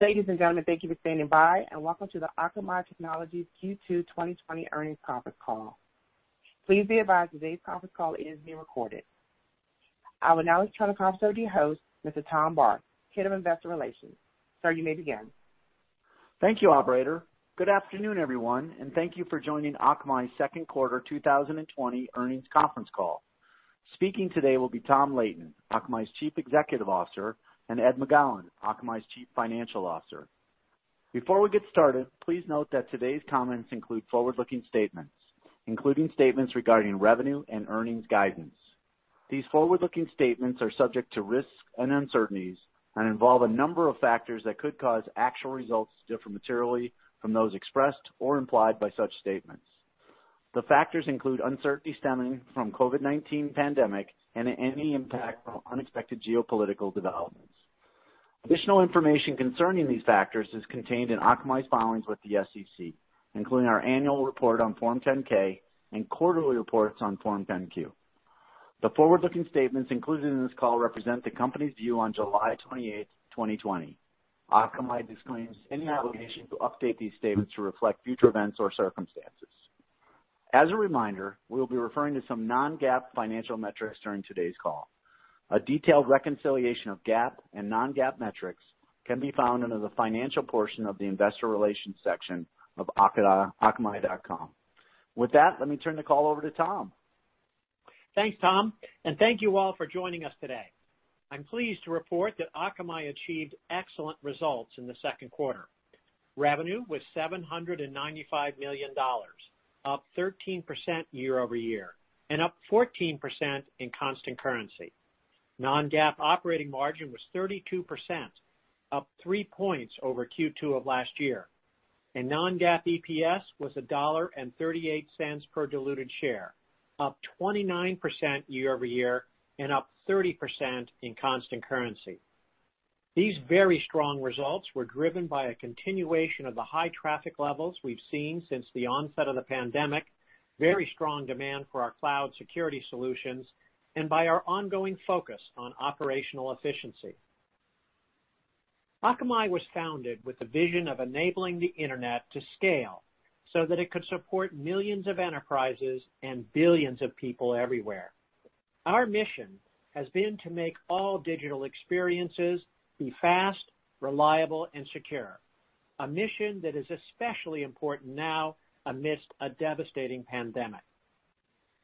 Ladies and gentlemen, thank you for standing by, and welcome to the Akamai Technologies Q2 2020 earnings conference call. Please be advised today's conference call is being recorded. I will now turn the conference over to your host, Mr. Tom Barth, Head of Investor Relations. Sir, you may begin. Thank you, operator. Good afternoon, everyone, and thank you for joining Akamai's second quarter 2020 earnings conference call. Speaking today will be Tom Leighton, Akamai's Chief Executive Officer, and Ed McGowan, Akamai's Chief Financial Officer. Before we get started, please note that today's comments include forward-looking statements, including statements regarding revenue and earnings guidance. These forward-looking statements are subject to risks and uncertainties and involve a number of factors that could cause actual results to differ materially from those expressed or implied by such statements. The factors include uncertainty stemming from COVID-19 pandemic and any impact from unexpected geopolitical developments. Additional information concerning these factors is contained in Akamai's filings with the SEC, including our annual report on Form 10-K and quarterly reports on Form 10-Q. The forward-looking statements included in this call represent the company's view on July 28th, 2020. Akamai disclaims any obligation to update these statements to reflect future events or circumstances. As a reminder, we'll be referring to some non-GAAP financial metrics during today's call. A detailed reconciliation of GAAP and non-GAAP metrics can be found under the financial portion of the investor relations section of akamai.com. With that, let me turn the call over to Tom. Thanks, Tom. Thank you all for joining us today. I'm pleased to report that Akamai achieved excellent results in the second quarter. Revenue was $795 million, up 13% year-over-year, and up 14% in constant currency. Non-GAAP operating margin was 32%, up three points over Q2 of last year, and non-GAAP EPS was $1.38 per diluted share, up 29% year-over-year, and up 30% in constant currency. These very strong results were driven by a continuation of the high traffic levels we've seen since the onset of the pandemic, very strong demand for our cloud security solutions, and by our ongoing focus on operational efficiency. Akamai was founded with the vision of enabling the internet to scale so that it could support millions of enterprises and billions of people everywhere. Our mission has been to make all digital experiences be fast, reliable, and secure, a mission that is especially important now amidst a devastating pandemic.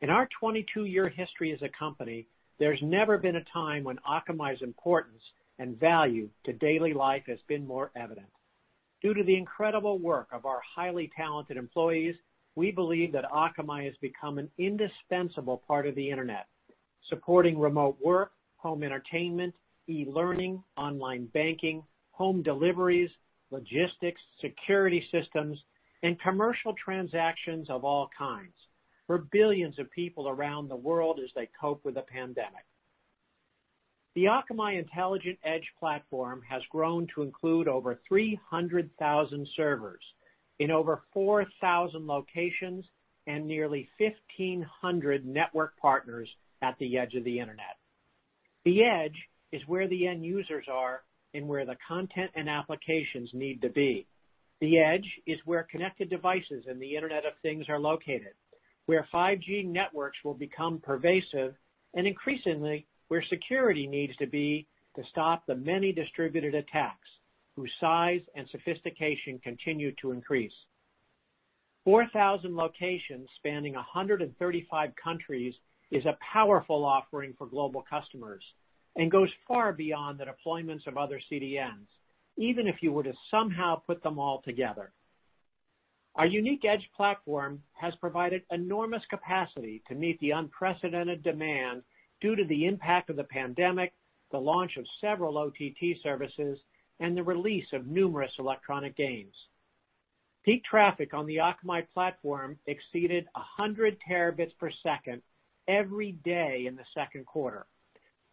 In our 22-year history as a company, there's never been a time when Akamai's importance and value to daily life has been more evident. Due to the incredible work of our highly talented employees, we believe that Akamai has become an indispensable part of the internet, supporting remote work, home entertainment, e-learning, online banking, home deliveries, logistics, security systems, and commercial transactions of all kinds for billions of people around the world as they cope with the pandemic. The Akamai Intelligent Edge Platform has grown to include over 300,000 servers in over 4,000 locations and nearly 1,500 network partners at the edge of the internet. The edge is where the end users are and where the content and applications need to be. The edge is where connected devices and the Internet of Things are located, where 5G networks will become pervasive, and increasingly, where security needs to be to stop the many distributed attacks whose size and sophistication continue to increase. 4,000 locations spanning 135 countries is a powerful offering for global customers and goes far beyond the deployments of other CDNs, even if you were to somehow put them all together. Our unique Edge platform has provided enormous capacity to meet the unprecedented demand due to the impact of the pandemic, the launch of several OTT services, and the release of numerous electronic games. Peak traffic on the Akamai platform exceeded 100 terabits per second every day in the second quarter.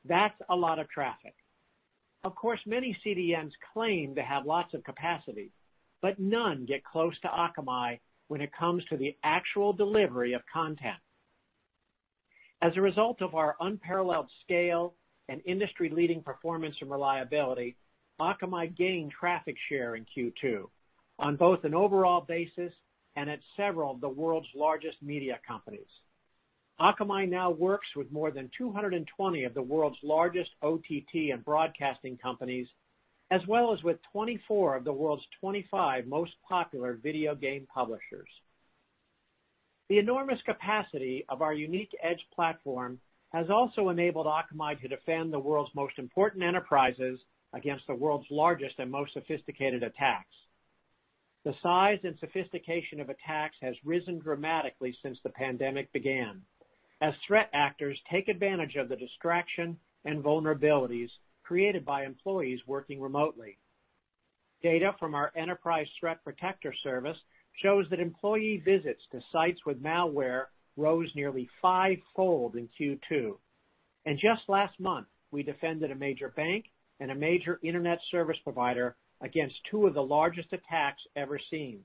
That's a lot of traffic. Of course, many CDNs claim to have lots of capacity, but none get close to Akamai when it comes to the actual delivery of content. As a result of our unparalleled scale and industry-leading performance and reliability, Akamai gained traffic share in Q2 on both an overall basis and at several of the world's largest media companies. Akamai now works with more than 220 of the world's largest OTT and broadcasting companies, as well as with 24 of the world's 25 most popular video game publishers. The enormous capacity of our unique Edge platform has also enabled Akamai to defend the world's most important enterprises against the world's largest and most sophisticated attacks. The size and sophistication of attacks has risen dramatically since the pandemic began, as threat actors take advantage of the distraction and vulnerabilities created by employees working remotely. Data from our Enterprise Threat Protector service shows that employee visits to sites with malware rose nearly fivefold in Q2. Just last month, we defended a major bank and a major internet service provider against two of the largest attacks ever seen.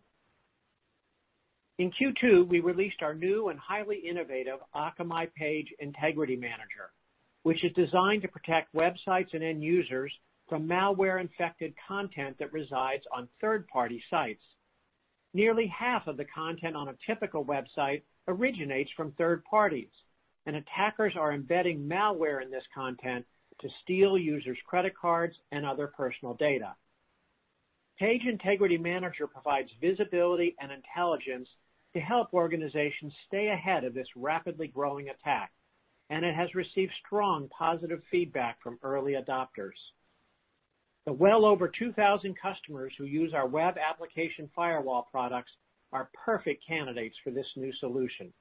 In Q2, we released our new and highly innovative Akamai Page Integrity Manager, which is designed to protect websites and end users from malware-infected content that resides on third-party sites. Nearly half of the content on a typical website originates from third parties, attackers are embedding malware in this content to steal users' credit cards and other personal data. Page Integrity Manager provides visibility and intelligence to help organizations stay ahead of this rapidly growing attack, it has received strong positive feedback from early adopters. The well over 2,000 customers who use our web application firewall products are perfect candidates for this new solution.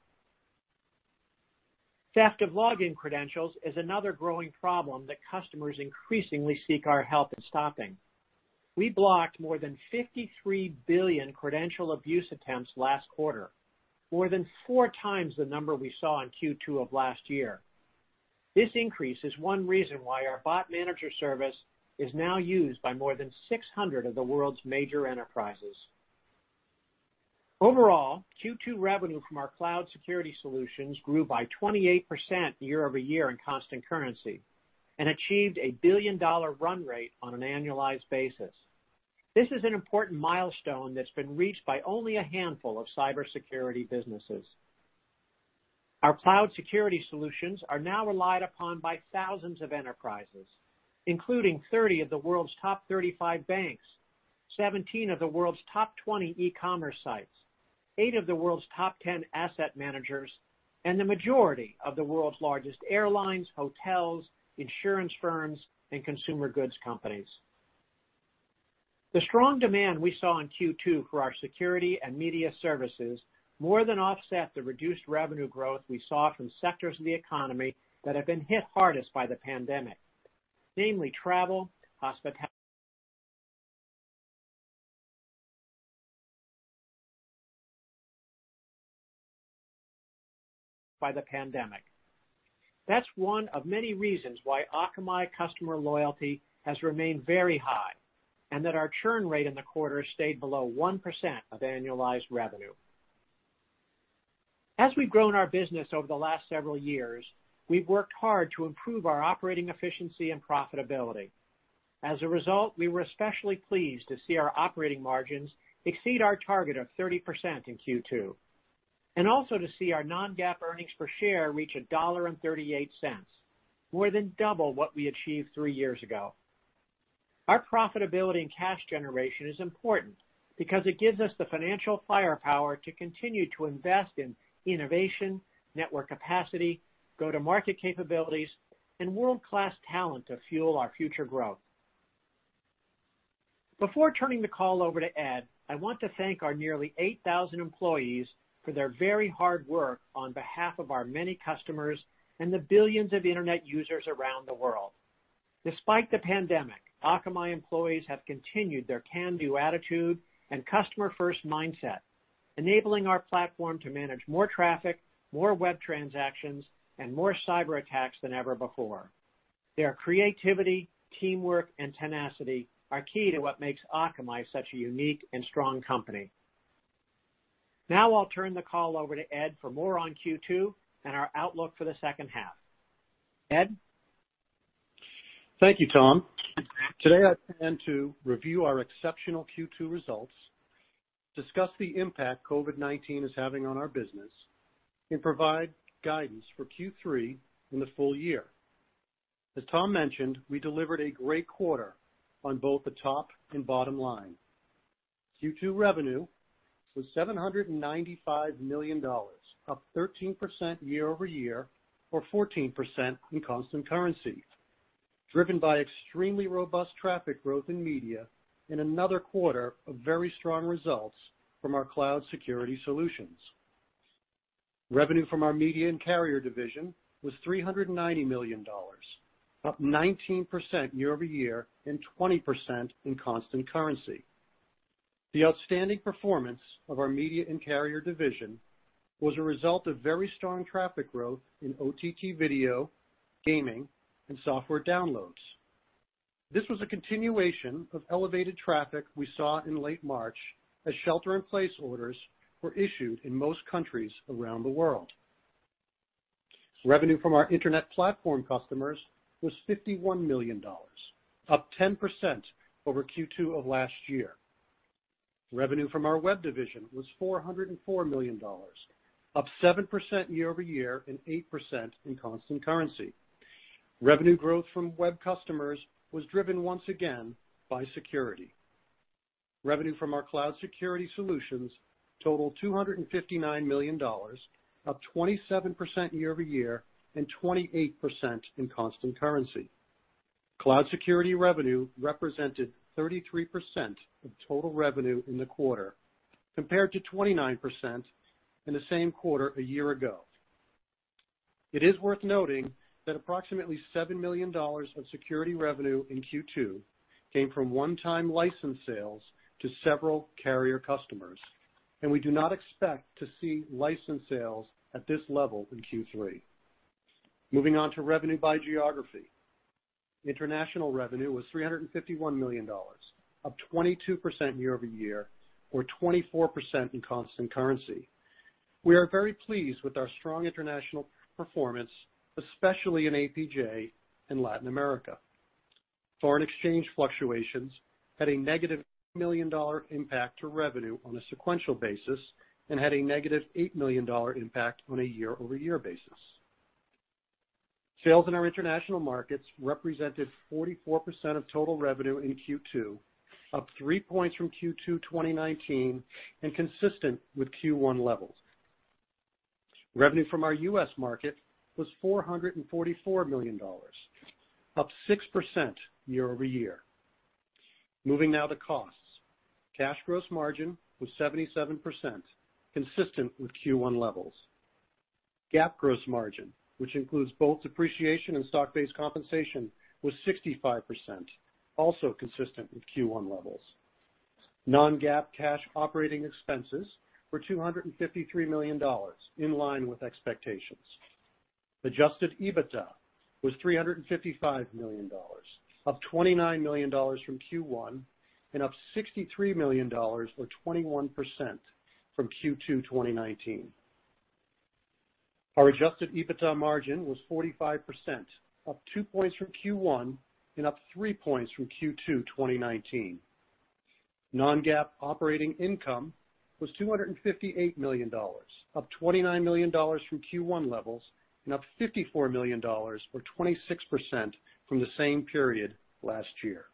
Theft of login credentials is another growing problem that customers increasingly seek our help in stopping. We blocked more than 53 billion credential abuse attempts last quarter, more than 4x the number we saw in Q2 of last year. This increase is one reason why our Bot Manager service is now used by more than 600 of the world's major enterprises. Overall, Q2 revenue from our cloud security solutions grew by 28% year-over-year in constant currency and achieved a billion-dollar run rate on an annualized basis. This is an important milestone that's been reached by only a handful of cybersecurity businesses. Our cloud security solutions are now relied upon by thousands of enterprises, including 30 of the world's top 35 banks, 17 of the world's top 20 e-commerce sites, eight of the world's top 10 asset managers, and the majority of the world's largest airlines, hotels, insurance firms, and consumer goods companies. The strong demand we saw in Q2 for our security and media services more than offset the reduced revenue growth we saw from sectors of the economy that have been hit hardest by the pandemic, namely travel, hospitality. That's one of many reasons why Akamai customer loyalty has remained very high, and that our churn rate in the quarter stayed below 1% of annualized revenue. As we've grown our business over the last several years, we've worked hard to improve our operating efficiency and profitability. We were especially pleased to see our operating margins exceed our target of 30% in Q2, and also to see our non-GAAP earnings per share reach $1.38, more than double what we achieved three years ago. Our profitability and cash generation is important because it gives us the financial firepower to continue to invest in innovation, network capacity, go-to-market capabilities, and world-class talent to fuel our future growth. Before turning the call over to Ed, I want to thank our nearly 8,000 employees for their very hard work on behalf of our many customers and the billions of internet users around the world. Despite the pandemic, Akamai employees have continued their can-do attitude and customer-first mindset, enabling our platform to manage more traffic, more web transactions, and more cyberattacks than ever before. Their creativity, teamwork, and tenacity are key to what makes Akamai such a unique and strong company. I'll turn the call over to Ed for more on Q2 and our outlook for the second half. Ed? Thank you, Tom. Today, I plan to review our exceptional Q2 results, discuss the impact COVID-19 is having on our business, and provide guidance for Q3 and the full year. As Tom mentioned, we delivered a great quarter on both the top and bottom line. Q2 revenue was $795 million, up 13% year-over-year or 14% in constant currency, driven by extremely robust traffic growth in media and another quarter of very strong results from our cloud security solutions. Revenue from our media and carrier division was $390 million, up 19% year-over-year and 20% in constant currency. The outstanding performance of our media and carrier division was a result of very strong traffic growth in OTT video, gaming, and software downloads. This was a continuation of elevated traffic we saw in late March as shelter-in-place orders were issued in most countries around the world. Revenue from our internet platform customers was $51 million, up 10% over Q2 of last year. Revenue from our web division was $404 million, up 7% year-over-year and 8% in constant currency. Revenue growth from web customers was driven once again by security. Revenue from our cloud security solutions totaled $259 million, up 27% year-over-year and 28% in constant currency. Cloud security revenue represented 33% of total revenue in the quarter, compared to 29% in the same quarter a year ago. It is worth noting that approximately $7 million of security revenue in Q2 came from one-time license sales to several carrier customers, and we do not expect to see license sales at this level in Q3. Moving on to revenue by geography. International revenue was $351 million, up 22% year-over-year, or 24% in constant currency. We are very pleased with our strong international performance, especially in APJ and Latin America. Foreign exchange fluctuations had a negative million-dollar impact to revenue on a sequential basis and had a -$8 million impact on a year-over-year basis. Sales in our international markets represented 44% of total revenue in Q2, up three points from Q2 2019, and consistent with Q1 levels. Revenue from our U.S. market was $444 million, up 6% year-over-year. Moving now to costs. Cash gross margin was 77%, consistent with Q1 levels. GAAP gross margin, which includes both depreciation and stock-based compensation, was 65%, also consistent with Q1 levels. Non-GAAP cash operating expenses were $253 million, in line with expectations. Adjusted EBITDA was $355 million, up $29 million from Q1 and up $63 million, or 21%, from Q2 2019. Our adjusted EBITDA margin was 45%, up two points from Q1, and up three points from Q2 2019. Non-GAAP operating income was $258 million, up $29 million from Q1 levels and up $54 million, or 26%, from the same period last year.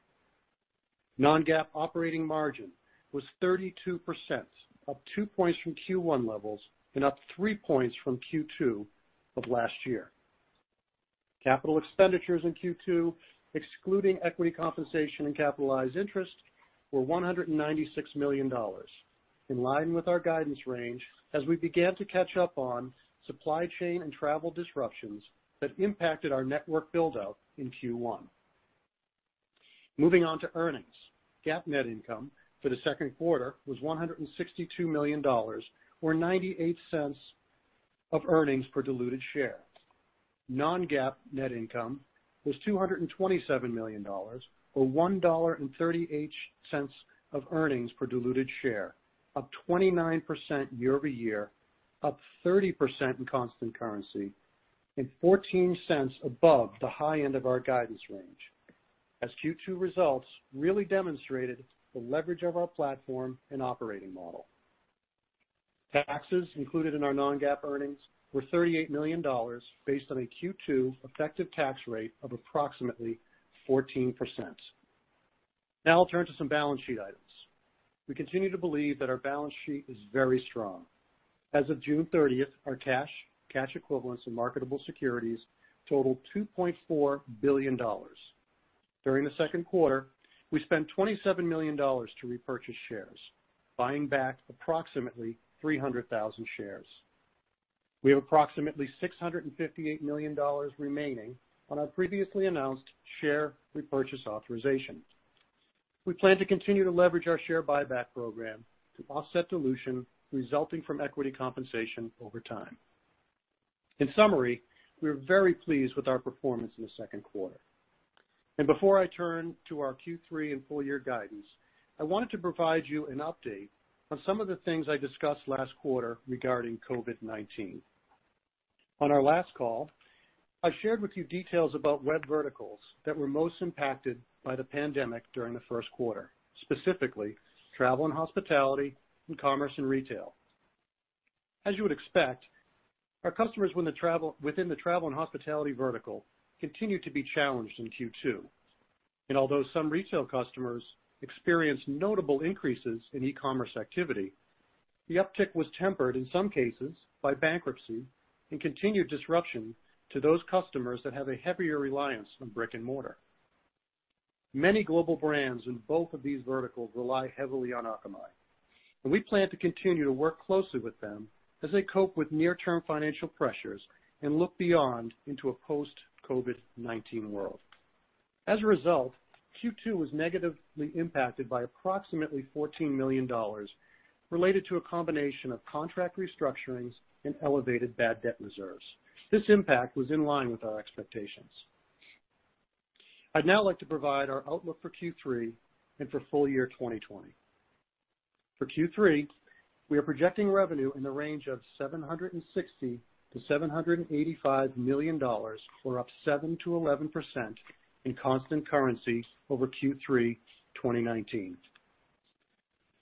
Non-GAAP operating margin was 32%, up two points from Q1 levels, and up three points from Q2 of last year. Capital expenditures in Q2, excluding equity compensation and capitalized interest, were $196 million, in line with our guidance range as we began to catch up on supply chain and travel disruptions that impacted our network build-out in Q1. Moving on to earnings. GAAP net income for the second quarter was $162 million, or $0.98 of earnings per diluted share. Non-GAAP net income was $227 million, or $1.38 of earnings per diluted share, up 29% year-over-year, up 30% in constant currency, and $0.14 above the high end of our guidance range, as Q2 results really demonstrated the leverage of our platform and operating model. Taxes included in our non-GAAP earnings were $38 million, based on a Q2 effective tax rate of approximately 14%. I'll turn to some balance sheet items. We continue to believe that our balance sheet is very strong. As of June 30th, our cash equivalents and marketable securities totaled $2.4 billion. During the second quarter, we spent $27 million to repurchase shares, buying back approximately 300,000 shares. We have approximately $658 million remaining on our previously announced share repurchase authorization. We plan to continue to leverage our share buyback program to offset dilution resulting from equity compensation over time. In summary, we are very pleased with our performance in the second quarter. Before I turn to our Q3 and full-year guidance, I wanted to provide you an update on some of the things I discussed last quarter regarding COVID-19. On our last call, I shared with you details about web verticals that were most impacted by the pandemic during the first quarter, specifically travel and hospitality and commerce and retail. As you would expect, our customers within the travel and hospitality vertical continued to be challenged in Q2. Although some retail customers experienced notable increases in e-commerce activity, the uptick was tempered in some cases by bankruptcy and continued disruption to those customers that have a heavier reliance on brick and mortar. Many global brands in both of these verticals rely heavily on Akamai, and we plan to continue to work closely with them as they cope with near-term financial pressures and look beyond into a post-COVID-19 world. As a result, Q2 was negatively impacted by approximately $14 million related to a combination of contract restructurings and elevated bad debt reserves. This impact was in line with our expectations. I'd now like to provide our outlook for Q3 and for full year 2020. For Q3, we are projecting revenue in the range of $760 million-$785 million, or up 7%-11% in constant currency over Q3 2019.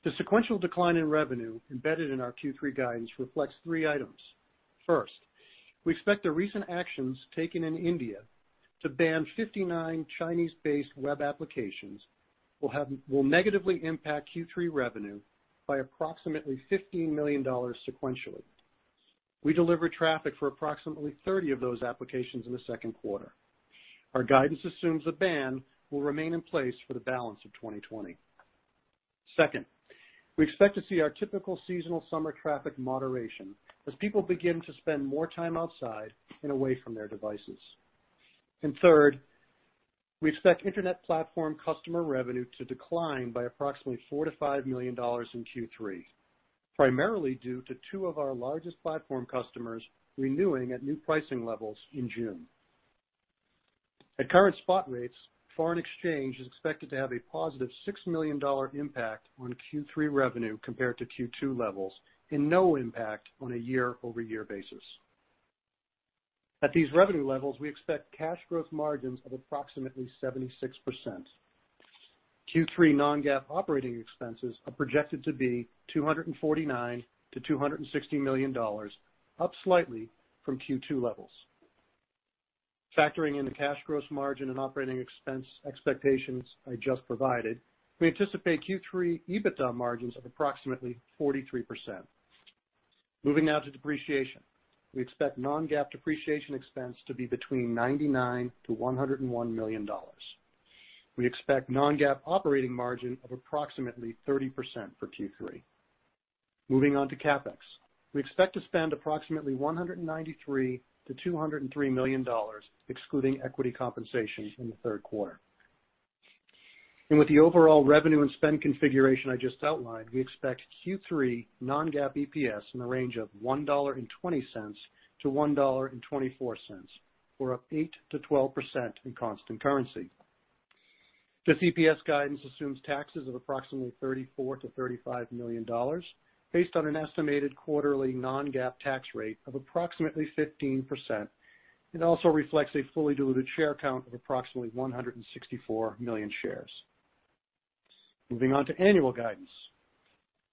The sequential decline in revenue embedded in our Q3 guidance reflects three items. First, we expect the recent actions taken in India to ban 59 Chinese-based web applications will negatively impact Q3 revenue by approximately $15 million sequentially. We delivered traffic for approximately 30 of those applications in the second quarter. Our guidance assumes the ban will remain in place for the balance of 2020. Second, we expect to see our typical seasonal summer traffic moderation as people begin to spend more time outside and away from their devices. Third, we expect internet platform customer revenue to decline by approximately $4 million-$5 million in Q3, primarily due to two of our largest platform customers renewing at new pricing levels in June. At current spot rates, foreign exchange is expected to have a +$6 million impact on Q3 revenue compared to Q2 levels and no impact on a year-over-year basis. At these revenue levels, we expect cash gross margins of approximately 76%. Q3 non-GAAP operating expenses are projected to be $249 million-$260 million, up slightly from Q2 levels. Factoring in the cash gross margin and operating expense expectations I just provided, we anticipate Q3 EBITDA margins of approximately 43%. Moving now to depreciation. We expect non-GAAP depreciation expense to be $99 million-$101 million. We expect non-GAAP operating margin of approximately 30% for Q3. Moving on to CapEx. We expect to spend approximately $193 million-$203 million, excluding equity compensation, in the third quarter. With the overall revenue and spend configuration I just outlined, we expect Q3 non-GAAP EPS in the range of $1.20-$1.24, or up 8%-12% in constant currency. This EPS guidance assumes taxes of approximately $34 million-$35 million based on an estimated quarterly non-GAAP tax rate of approximately 15%, and also reflects a fully diluted share count of approximately 164 million shares. Moving on to annual guidance.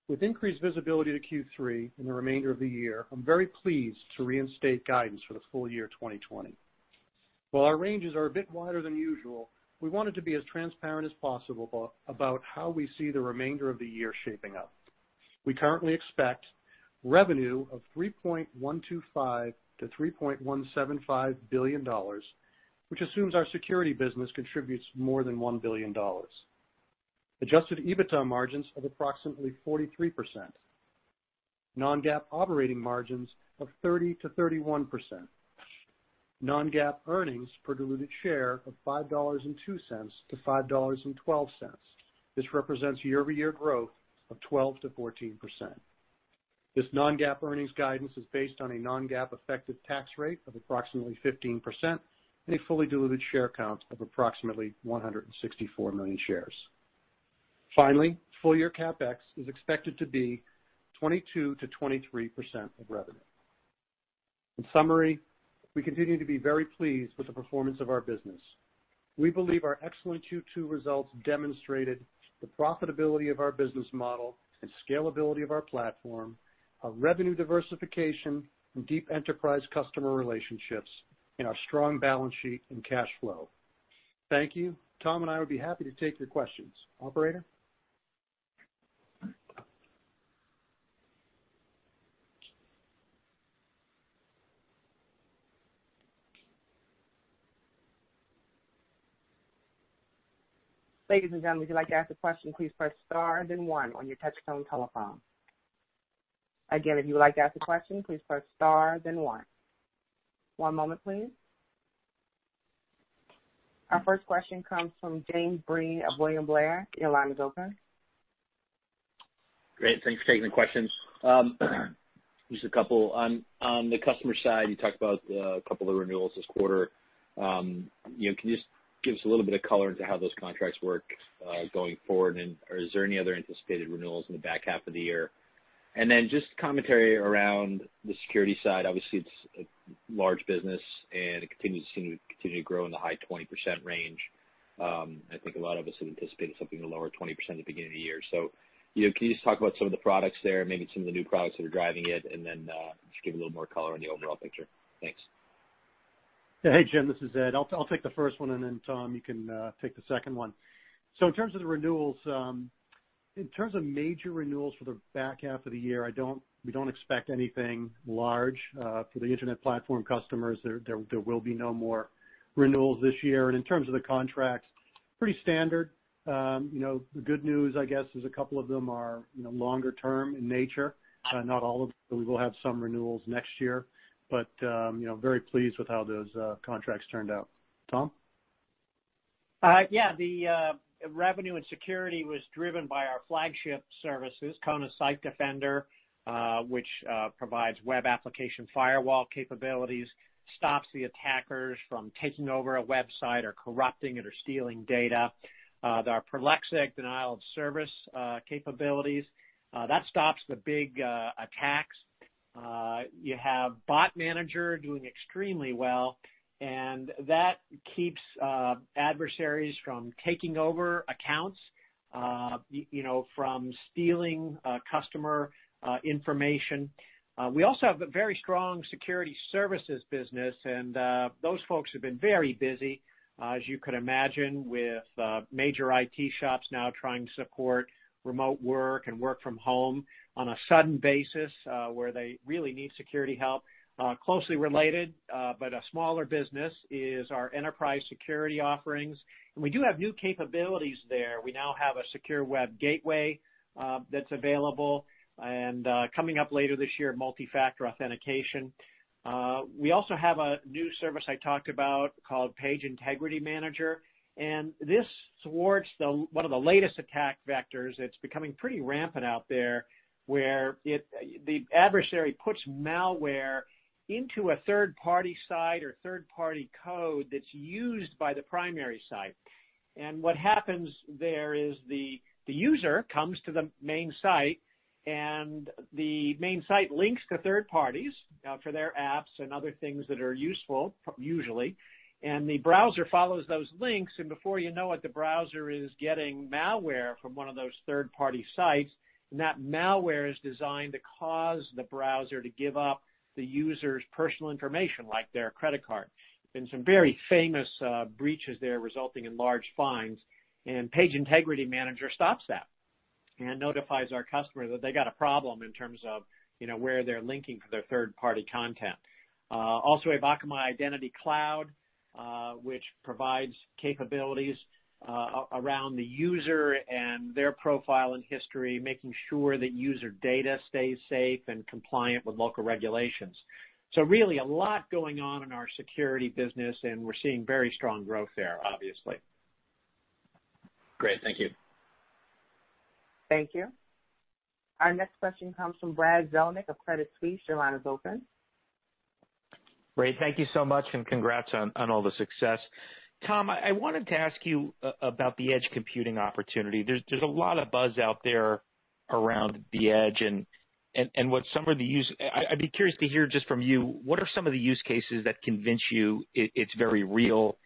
With increased visibility to Q3 and the remainder of the year, I'm very pleased to reinstate guidance for the full year 2020. While our ranges are a bit wider than usual, we wanted to be as transparent as possible about how we see the remainder of the year shaping up. We currently expect revenue of $3.125 to $3.175 billion, which assumes our security business contributes more than $1 billion. Adjusted EBITDA margins of approximately 43%. Non-GAAP operating margins of 30% to 31%. Non-GAAP earnings per diluted share of $5.02 to $5.12. This represents year-over-year growth of 12% to 14%. This non-GAAP earnings guidance is based on a non-GAAP effective tax rate of approximately 15% and a fully diluted share count of approximately 164 million shares. Finally, full-year CapEx is expected to be 22% to 23% of revenue. In summary, we continue to be very pleased with the performance of our business. We believe our excellent Q2 results demonstrated the profitability of our business model and scalability of our platform, our revenue diversification and deep enterprise customer relationships, and our strong balance sheet and cash flow. Thank you. Tom and I would be happy to take your questions. Operator? Ladies and gentlemen, if you'd like to ask a question, please press star then one on your touchtone telephone. Again, if you would like to ask a question, please press star then one. One moment, please. Our first question comes from James Breen of William Blair. Your line is open. Great. Thanks for taking the questions. Just a couple. On the customer side, you talked about a couple of renewals this quarter. Can you just give us a little bit of color into how those contracts work going forward? Is there any other anticipated renewals in the back half of the year? Just commentary around the security side. Obviously, it's a large business, and it continues to grow in the high 20% range. I think a lot of us had anticipated something lower 20% at the beginning of the year. Can you just talk about some of the products there, maybe some of the new products that are driving it? Just give a little more color on the overall picture. Thanks. Hey, Jim, this is Ed. I'll take the first one, and then Tom, you can take the second one. In terms of the renewals, in terms of major renewals for the back half of the year, we don't expect anything large for the internet platform customers. There will be no more renewals this year. In terms of the contracts, pretty standard. The good news, I guess, is a couple of them are longer-term in nature. Not all of them. We will have some renewals next year, but very pleased with how those contracts turned out. Tom? The revenue and security was driven by our flagship services, Kona Site Defender, which provides web application firewall capabilities, stops the attackers from taking over a website or corrupting it or stealing data. There are Prolexic denial of service capabilities. That stops the big attacks. You have Bot Manager doing extremely well, and that keeps adversaries from taking over accounts, from stealing customer information. We also have a very strong security services business, and those folks have been very busy, as you could imagine, with major IT shops now trying to support remote work and work from home on a sudden basis, where they really need security help. Closely related, but a smaller business is our enterprise security offerings. We do have new capabilities there. We now have a secure web gateway that's available, coming up later this year, multi-factor authentication. We also have a new service I talked about called Page Integrity Manager. This thwarts one of the latest attack vectors that's becoming pretty rampant out there, where the adversary puts malware into a third-party site or third-party code that's used by the primary site. What happens there is the user comes to the main site, and the main site links to third parties for their apps and other things that are useful, usually, and the browser follows those links, and before you know it, the browser is getting malware from one of those third-party sites. That malware is designed to cause the browser to give up the user's personal information, like their credit card. There's been some very famous breaches there, resulting in large fines. Page Integrity Manager stops that and notifies our customer that they got a problem in terms of where they're linking for their third-party content. We have Akamai Identity Cloud, which provides capabilities around the user and their profile and history, making sure that user data stays safe and compliant with local regulations. Really, a lot going on in our security business, and we're seeing very strong growth there, obviously. Great. Thank you. Thank you. Our next question comes from Brad Zelnick of Credit Suisse. Your line is open. Great, thank you so much, and congrats on all the success. Tom, I wanted to ask you about the edge computing opportunity. There's a lot of buzz out there around the edge, and I'd be curious to hear just from you, what are some of the use cases that convince you it's very real?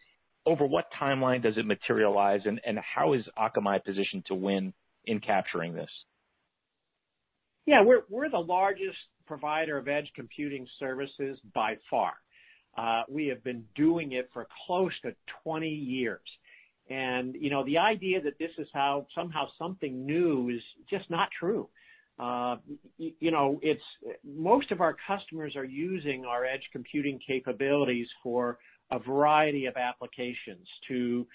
Over what timeline does it materialize, and how is Akamai positioned to win in capturing this? Yeah. We're the largest provider of edge computing services by far. We have been doing it for close to 20 years. The idea that this is somehow something new is just not true. Most of our customers are using our edge computing capabilities for a variety of applications to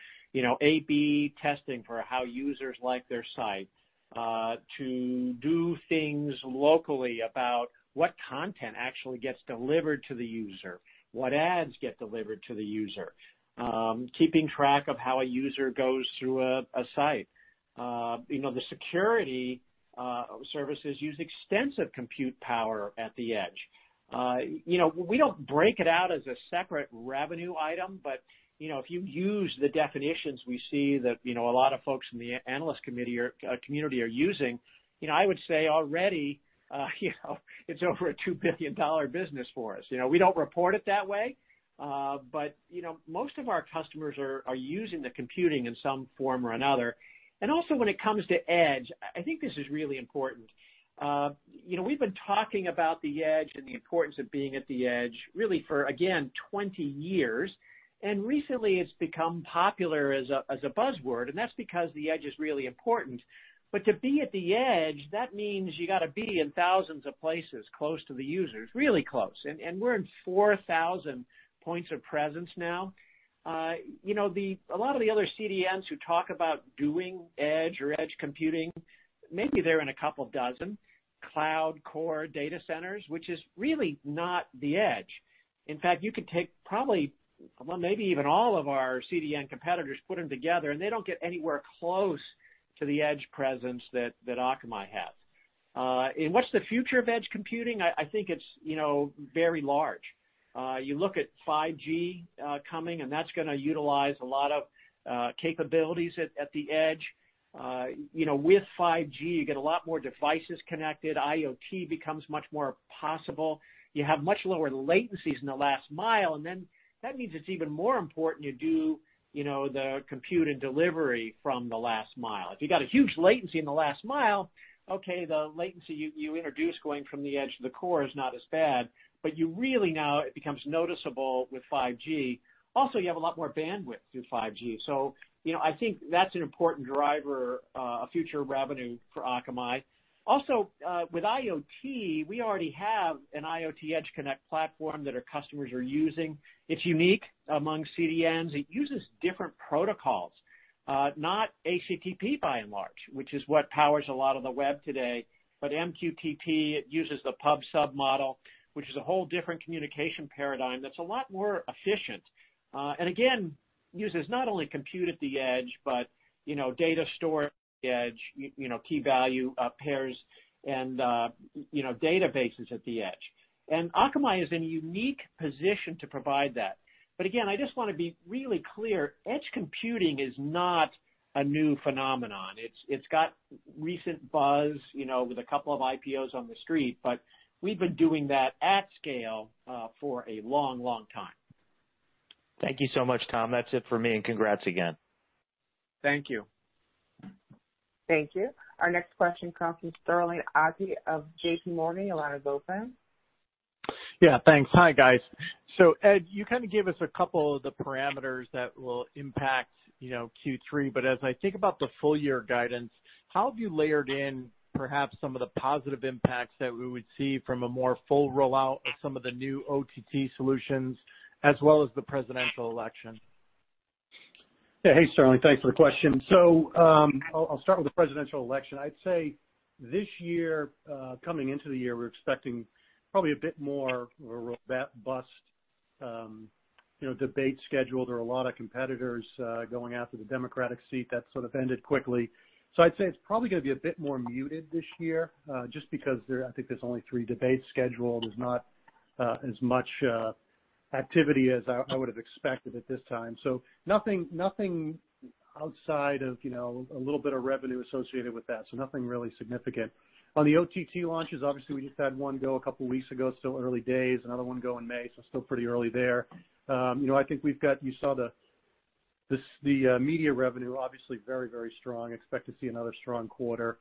A/B testing for how users like their site, to do things locally about what content actually gets delivered to the user, what ads get delivered to the user, keeping track of how a user goes through a site. The security services use extensive compute power at the edge. We don't break it out as a separate revenue item, but if you use the definitions we see that a lot of folks in the analyst community are using, I would say already, it's over a $2 billion business for us. We don't report it that way; most of our customers are using the computing in some form or another. Also, when it comes to edge, I think this is really important. We've been talking about the edge and the importance of being at the edge really for, again, 20 years. Recently it's become popular as a buzzword, and that's because the edge is really important. To be at the edge, that means you got to be in thousands of places close to the users, really close. We're in 4,000 points of presence now. A lot of the other CDNs who talk about doing edge or edge computing, maybe they're in a couple dozen cloud core data centers, which is really not the edge. In fact, you could take probably, well, maybe even all of our CDN competitors, put them together, and they don't get anywhere close to the edge presence that Akamai has. What's the future of edge computing? I think it's very large. You look at 5G coming, and that's going to utilize a lot of capabilities at the edge. With 5G, you get a lot more devices connected, IoT becomes much more possible. You have much lower latencies in the last mile, and then that means it's even more important you do the compute and delivery from the last mile. If you got a huge latency in the last mile, okay, the latency you introduce going from the edge to the core is not as bad, but you really know, it becomes noticeable with 5G. You have a lot more bandwidth through 5G, so I think that's an important driver of future revenue for Akamai. With IoT, we already have an IoT Edge Connect platform that our customers are using. It's unique among CDNs. It uses different protocols, not HTTP by and large, which is what powers a lot of the web today. MQTT, it uses the Pub/Sub model, which is a whole different communication paradigm that's a lot more efficient. Again, uses not only compute at the edge, but data storage edge, key-value pairs, and databases at the edge. Akamai is in a unique position to provide that. Again, I just want to be really clear, edge computing is not a new phenomenon. It's got recent buzz with a couple of IPOs on the street, but we've been doing that at scale for a long time. Thank you so much, Tom. That's it for me, and congrats again. Thank you. Thank you. Our next question comes from Sterling Auty of JPMorgan. Your line is open. Yeah, thanks. Hi, guys. Ed, you kind of gave us a couple of the parameters that will impact Q3, as I think about the full-year guidance, how have you layered in perhaps some of the positive impacts that we would see from a more full rollout of some of the new OTT solutions, as well as the presidential election? Hey, Sterling. Thanks for the question. I'll start with the presidential election. I'd say this year, coming into the year, we're expecting probably a bit more of a robust debate schedule. There are a lot of competitors going after the Democratic seat. That sort of ended quickly. I'd say it's probably going to be a bit more muted this year, just because I think there's only three debates scheduled. There's not as much activity as I would've expected at this time. Nothing outside of a little bit of revenue associated with that. Nothing really significant. On the OTT launches, obviously, we just had one go a couple of weeks ago, still early days, another one go in May, still pretty early there. You saw the media revenue, obviously very, very strong. Expect to see another strong quarter,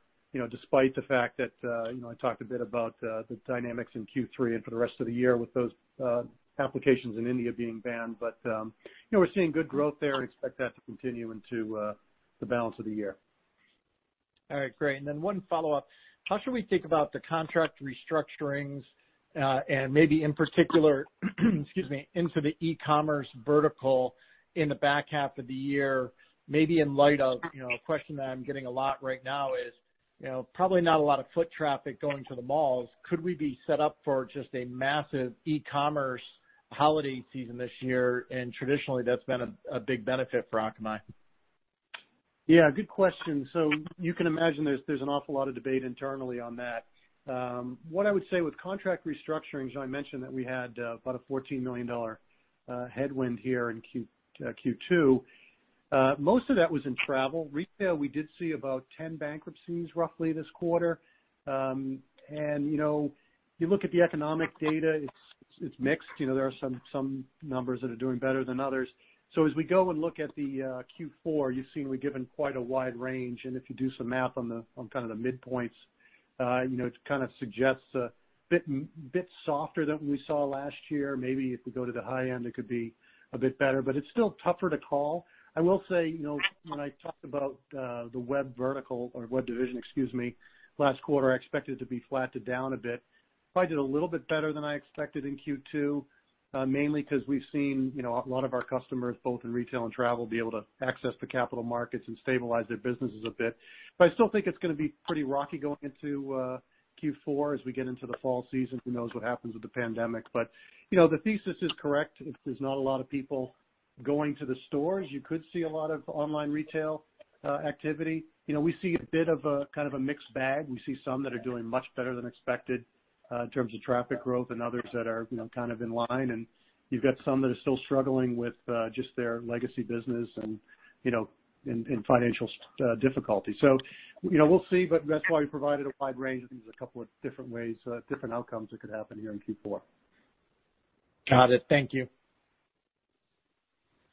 despite the fact that I talked a bit about the dynamics in Q3 and for the rest of the year, with those applications in India being banned. We're seeing good growth there and expect that to continue into the balance of the year. All right, great. Then one follow-up. How should we think about the contract restructurings, and maybe in particular into the e-commerce vertical in the back half of the year? Maybe in light of a question that I'm getting a lot right now is, probably not a lot of foot traffic going to the malls. Could we be set up for just a massive e-commerce holiday season this year? Traditionally, that's been a big benefit for Akamai. Yeah, good question. You can imagine there's an awful lot of debate internally on that. What I would say with contract restructurings, I mentioned that we had about a $14 million headwind here in Q2. Most of that was in travel. Retail, we did see about 10 bankruptcies roughly this quarter. You look at the economic data, it's mixed. There are some numbers that are doing better than others. As we go and look at the Q4, you've seen we've given quite a wide range, and if you do some math on the midpoints, it suggests a bit softer than we saw last year. Maybe if we go to the high end, it could be a bit better, but it's still tougher to call. I will say, when I talked about the Web division last quarter, I expected it to be flat to down a bit. Probably did a little bit better than I expected in Q2, mainly because we've seen a lot of our customers, both in retail and travel, be able to access the capital markets and stabilize their businesses a bit. I still think it's going to be pretty rocky going into Q4 as we get into the fall season. Who knows what happens with the pandemic. The thesis is correct. If there's not a lot of people going to the stores, you could see a lot of online retail activity. We see a bit of a mixed bag. We see some that are doing much better than expected in terms of traffic growth, and others that are in line, and you've got some that are still struggling with just their legacy business and in financial difficulty. We'll see, but that's why we provided a wide range. I think there's a couple of different ways, different outcomes that could happen here in Q4. Got it. Thank you.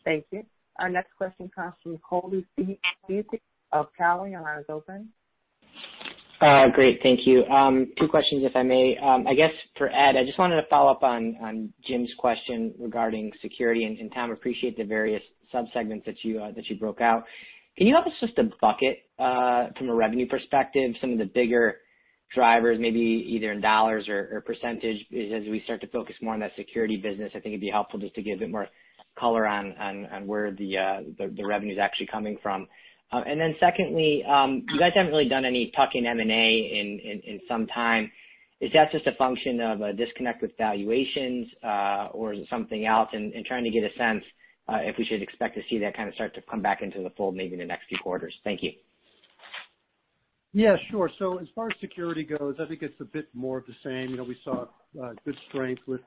Thank you. Our next question comes from Colby Synesael of Cowen. Your line is open. Great. Thank you. Two questions, if I may. I guess for Ed, I just wanted to follow up on Jim's question regarding security and Tom, appreciate the various sub-segments that you broke out. Can you help us just to bucket, from a revenue perspective, some of the bigger drivers, maybe either in dollars or percentage, as we start to focus more on that security business? I think it'd be helpful just to give a bit more color on where the revenue's actually coming from. Secondly, you guys haven't really done any talking M&A in some time. Is that just a function of a disconnect with valuations, or is it something else? Trying to get a sense, if we should expect to see that kind of start to come back into the fold, maybe in the next few quarters. Thank you. Yeah, sure. As far as security goes, I think it's a bit more of the same. We saw good strength with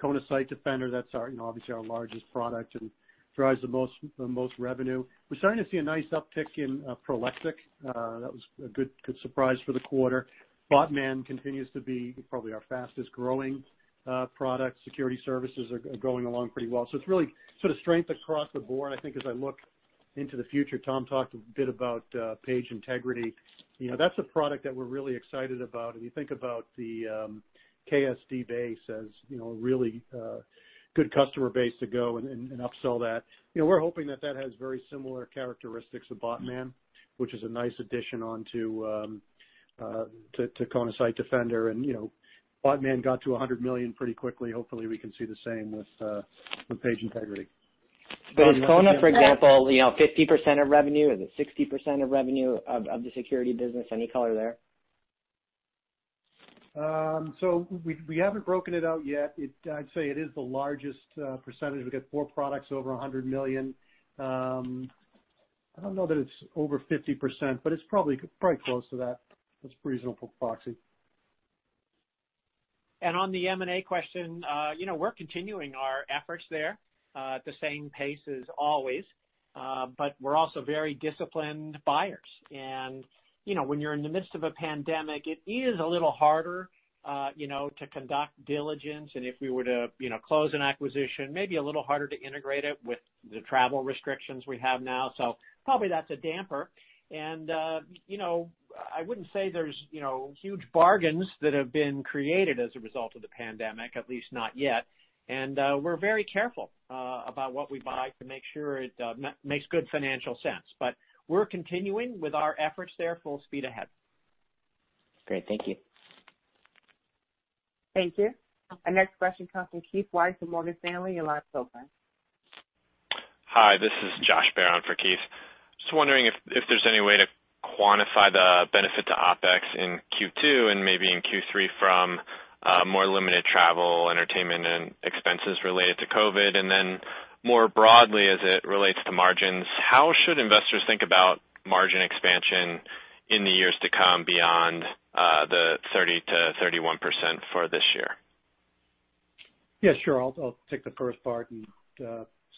Kona Site Defender. That's obviously our largest product and drives the most revenue. We're starting to see a nice uptick in Prolexic. That was a good surprise for the quarter. Botman continues to be probably our fastest-growing product. Security services are going along pretty well. It's really sort of strength across the board, I think, as I look into the future. Tom talked a bit about Page Integrity. That's a product that we're really excited about. If you think about the KSD base as a really good customer base to go and upsell that. We're hoping that has very similar characteristics of Botman, which is a nice addition on to Kona Site Defender. Botman got to $100 million pretty quickly. Hopefully, we can see the same with Page Integrity. Is Kona, for example, 50% of revenue? Is it 60% of revenue of the security business? Any color there? We haven't broken it out yet. I'd say it is the largest percentage. We've got four products over $100 million. I don't know that it's over 50%, but it's probably close to that. That's a reasonable proxy. On the M&A question, we're continuing our efforts there, at the same pace as always. We're also very disciplined buyers. When you're in the midst of a pandemic, it is a little harder to conduct diligence. If we were to close an acquisition, maybe a little harder to integrate it with the travel restrictions we have now. Probably that's a damper. I wouldn't say there's huge bargains that have been created as a result of the pandemic, at least not yet. We're very careful about what we buy to make sure it makes good financial sense. We're continuing with our efforts there, full speed ahead. Great. Thank you. Thank you. Our next question comes from Keith Weiss of Morgan Stanley. Your line is open. Hi, this is Josh Baer for Keith. Just wondering if there's any way to quantify the benefit to OpEx in Q2 and maybe in Q3 from more limited travel, entertainment, and expenses related to COVID-19, and then more broadly, as it relates to margins, how should investors think about margin expansion in the years to come beyond the 30%-31% for this year? Yes, sure. I'll take the first part and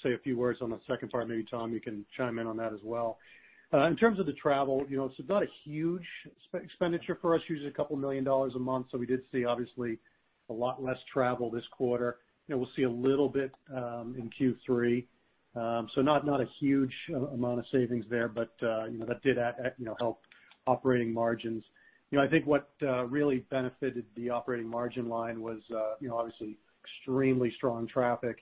say a few words on the second part. Maybe, Tom, you can chime in on that as well. In terms of the travel, it's not a huge expenditure for us. Usually, a couple million dollars a month. We did see, obviously, a lot less travel this quarter. We'll see a little bit in Q3. Not a huge amount of savings there, but that did help operating margins. I think what really benefited the operating margin line was, obviously, extremely strong traffic,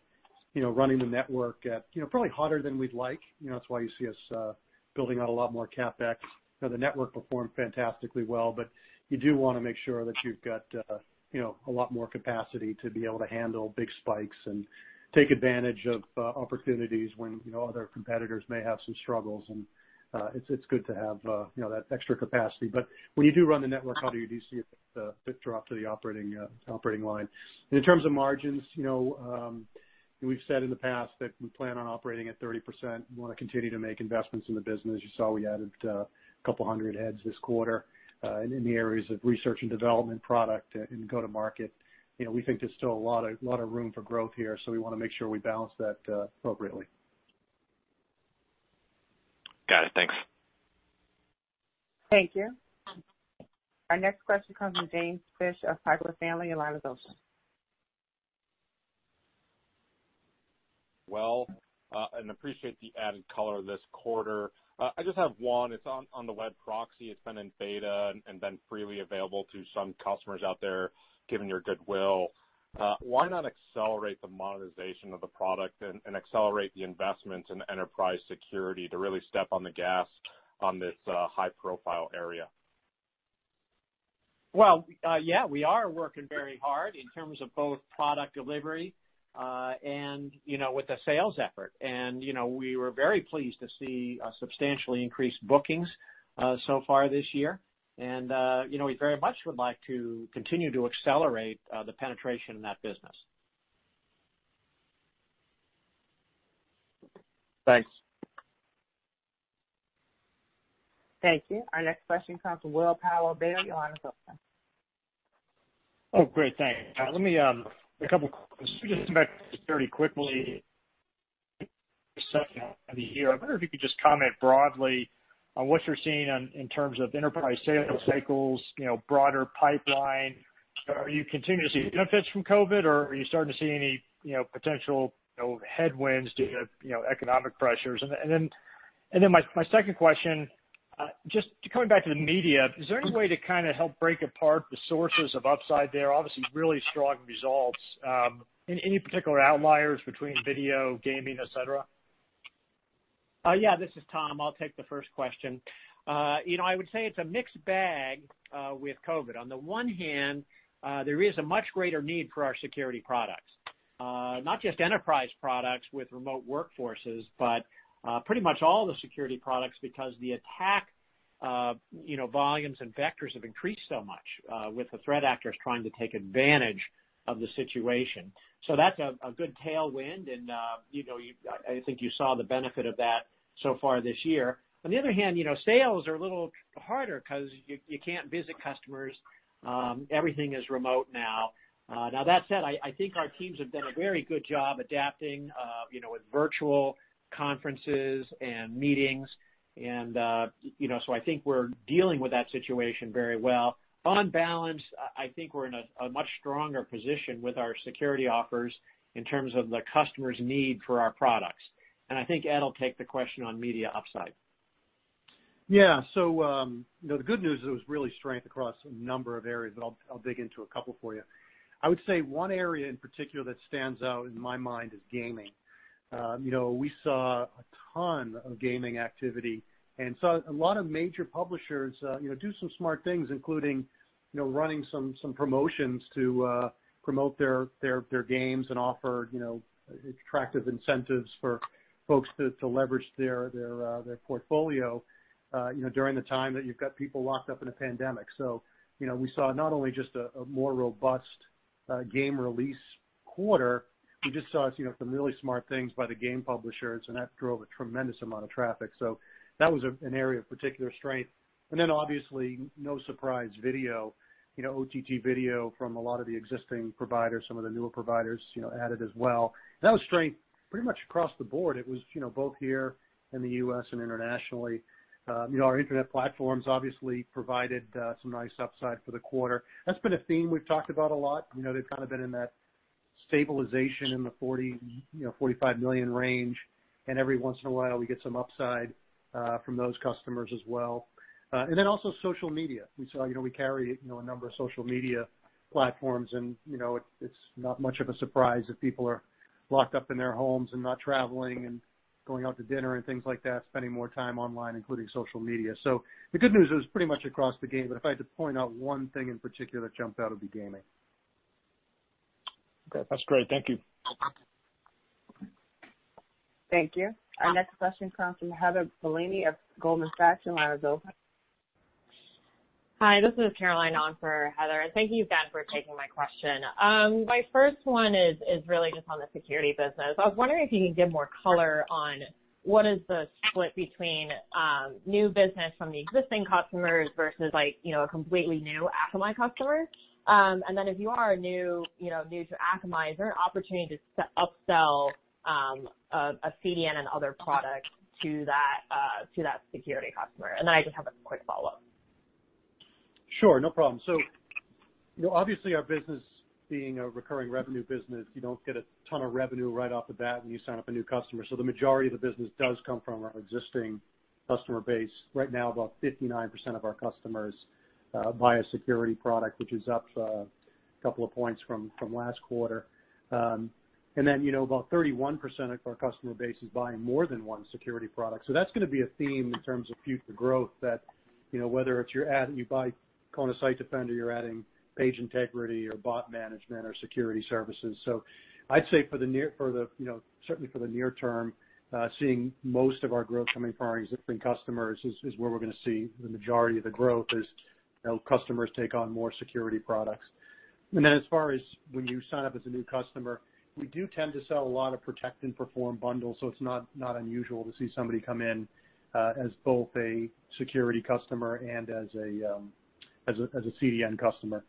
running the network at probably hotter than we'd like. That's why you see us building out a lot more CapEx. The network performed fantastically well, but you do want to make sure that you've got a lot more capacity to be able to handle big spikes and take advantage of opportunities when other competitors may have some struggles, and it's good to have that extra capacity. When you do run the network hotter, you do see a bit drop to the operating line. In terms of margins, we've said in the past that we plan on operating at 30%. We want to continue to make investments in the business. You saw we added a couple hundred heads this quarter in the areas of research and development, product, and go-to-market. We think there's still a lot of room for growth here, so we want to make sure we balance that appropriately. Got it. Thanks. Thank you. Our next question comes from James Fish of Piper Sandler. Your line is open. Well, appreciate the added color this quarter. I just have one. It's on the web proxy. It's been in beta and been freely available to some customers out there, given your goodwill. Why not accelerate the monetization of the product and accelerate the investment in enterprise security to really step on the gas on this high-profile area? Well, yeah, we are working very hard in terms of both product delivery and with the sales effort. We were very pleased to see substantially increased bookings so far this year. We very much would like to continue to accelerate the penetration in that business. Thanks. Thank you. Our next question comes from Will Power, Baird. Your line is open. Great. Thanks. A couple questions. Just going back to security quickly. Sure. I wonder if you could just comment broadly on what you're seeing in terms of enterprise sales cycles, broader pipeline. Are you continuing to see benefits from COVID-19, or are you starting to see any potential headwinds due to economic pressures? My second question, just coming back to the media, is there any way to kind of help break apart the sources of upside there? Obviously, really strong results. Any particular outliers between video, gaming, et cetera? Yeah. This is Tom. I'll take the first question. I would say it's a mixed bag with COVID-19. There is a much greater need for our security products. Not just enterprise products with remote workforces, but pretty much all the security products because the attack volumes and vectors have increased so much, with the threat actors trying to take advantage of the situation. That's a good tailwind, and I think you saw the benefit of that so far this year. Sales are a little harder because you can't visit customers. Everything is remote now. That said, I think our teams have done a very good job adapting with virtual conferences and meetings. I think we're dealing with that situation very well. On balance, I think we're in a much stronger position with our security offers in terms of the customer's need for our products. I think Ed will take the question on media upside. Yeah. The good news is there was really strength across a number of areas, but I'll dig into a couple for you. I would say one area in particular that stands out in my mind is gaming. We saw a ton of gaming activity and saw a lot of major publishers do some smart things, including running some promotions to promote their games and offer attractive incentives for folks to leverage their portfolio during the time that you've got people locked up in a pandemic. We saw not only just a more robust game release quarter, we just saw some really smart things by the game publishers, and that drove a tremendous amount of traffic. That was an area of particular strength. Then obviously, no surprise, video. OTT video from a lot of the existing providers, some of the newer providers added as well. That was strength pretty much across the board. It was both here in the U.S. and internationally. Our Internet platforms obviously provided some nice upside for the quarter. That's been a theme we've talked about a lot. They've kind of been in that stabilization in the $40 million, $45 million range, and every once in a while, we get some upside from those customers as well. Also, social media. We carry a number of social media platforms, and it's not much of a surprise that people are locked up in their homes and not traveling and going out to dinner and things like that, spending more time online, including social media. The good news is pretty much across the board, but if I had to point out one thing in particular that jumped out, it would be gaming. Okay. That's great. Thank you. Thank you. Our next question comes from Heather Bellini of Goldman Sachs. Your line is open. Hi, this is Caroline on for Heather. Thank you again for taking my question. My first one is really just on the security business. I was wondering if you could give more color on what is the split between new business from the existing customers versus a completely new Akamai customer. If you are new to Akamai, is there an opportunity to upsell a CDN and other products to that security customer? I just have a quick follow-up. Sure. No problem. Obviously, our business being a recurring revenue business, you don't get a ton of revenue right off the bat when you sign up a new customer. The majority of the business does come from our existing customer base. Right now, about 59% of our customers buy a security product, which is up a couple of points from last quarter. Then, about 31% of our customer base is buying more than one security product. That's going to be a theme in terms of future growth that, whether it's you buy Kona Site Defender, you're adding Page Integrity Manager or Bot Manager or security services. I'd say certainly for the near term, seeing most of our growth coming from our existing customers, is where we're going to see the majority of the growth is customers take on more security products. Then, as far as when you sign up as a new customer, we do tend to sell a lot of Protect and Perform bundles, so it's not unusual to see somebody come in as both a security customer and as a CDN customer.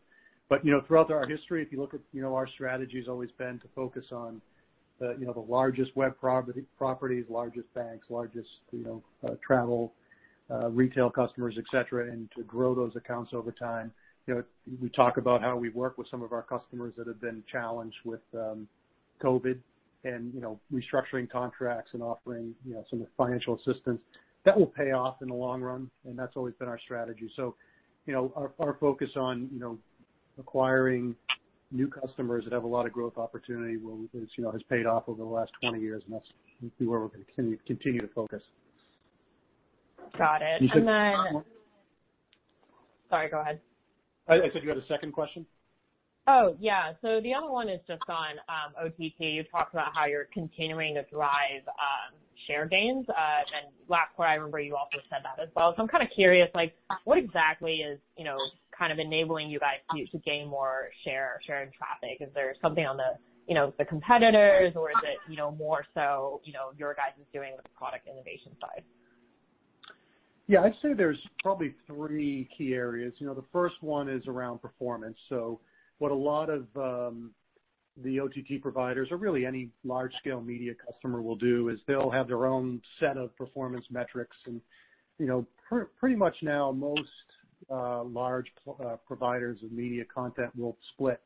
Throughout our history, if you look at our strategy's always been to focus on the largest web properties, largest banks, largest travel, retail customers, et cetera, and to grow those accounts over time. We talk about how we work with some of our customers that have been challenged with COVID-19 and restructuring contracts, and offering some financial assistance. That will pay off in the long run, and that's always been our strategy. Our focus on acquiring new customers that have a lot of growth opportunity has paid off over the last 20 years, and that's where we're going to continue to focus. Got it. You said- Sorry, go ahead. I said you had a second question? Oh, yeah. The other one is just on OTT. You talked about how you're continuing to drive share gains. Last quarter, I remember you also said that as well. I'm kind of curious, what exactly is enabling you guys to gain more share in traffic? Is there something on the competitors, or is it more so, you guys doing the product innovation side? Yeah. I'd say there's probably three key areas. The first one is around performance. What a lot of the OTT providers or really any large-scale media customer, will do is they'll have their own set of performance metrics. Pretty much now most large providers of media content will split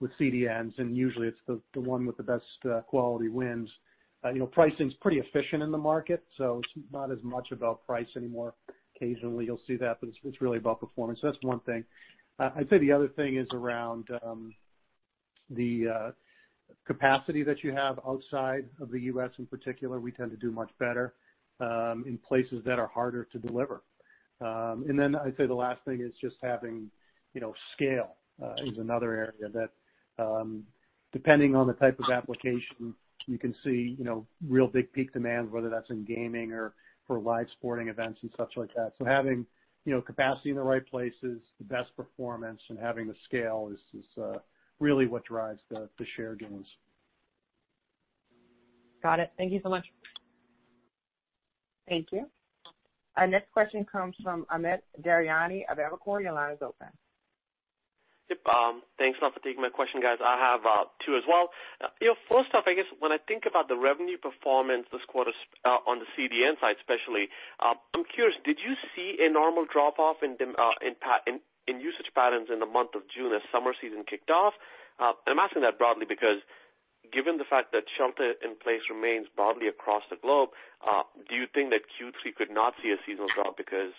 with CDNs, and usually it's the one with the best quality wins. Pricing's pretty efficient in the market, so it's not as much about price anymore. Occasionally, you'll see that, but it's really about performance. That's one thing. I'd say the other thing is around the capacity that you have outside of the U.S., in particular. We tend to do much better in places that are harder to deliver. I'd say the last thing is just having scale is another area that, depending on the type of application, you can see real big peak demands, whether that's in gaming or for live sporting events and such like that. Having capacity in the right places, the best performance, and having the scale is really what drives the share gains. Got it. Thank you so much. Thank you. Our next question comes from Amit Daryanani of Evercore. Your line is open. Yep. Thanks a lot for taking my question, guys. I have two as well. First off, I guess when I think about the revenue performance this quarter on the CDN side, especially, I'm curious, did you see a normal drop-off in usage patterns in the month of June as summer season kicked off? I'm asking that broadly because given the fact that shelter in place remains broadly across the globe, do you think that Q3 could not see a seasonal drop because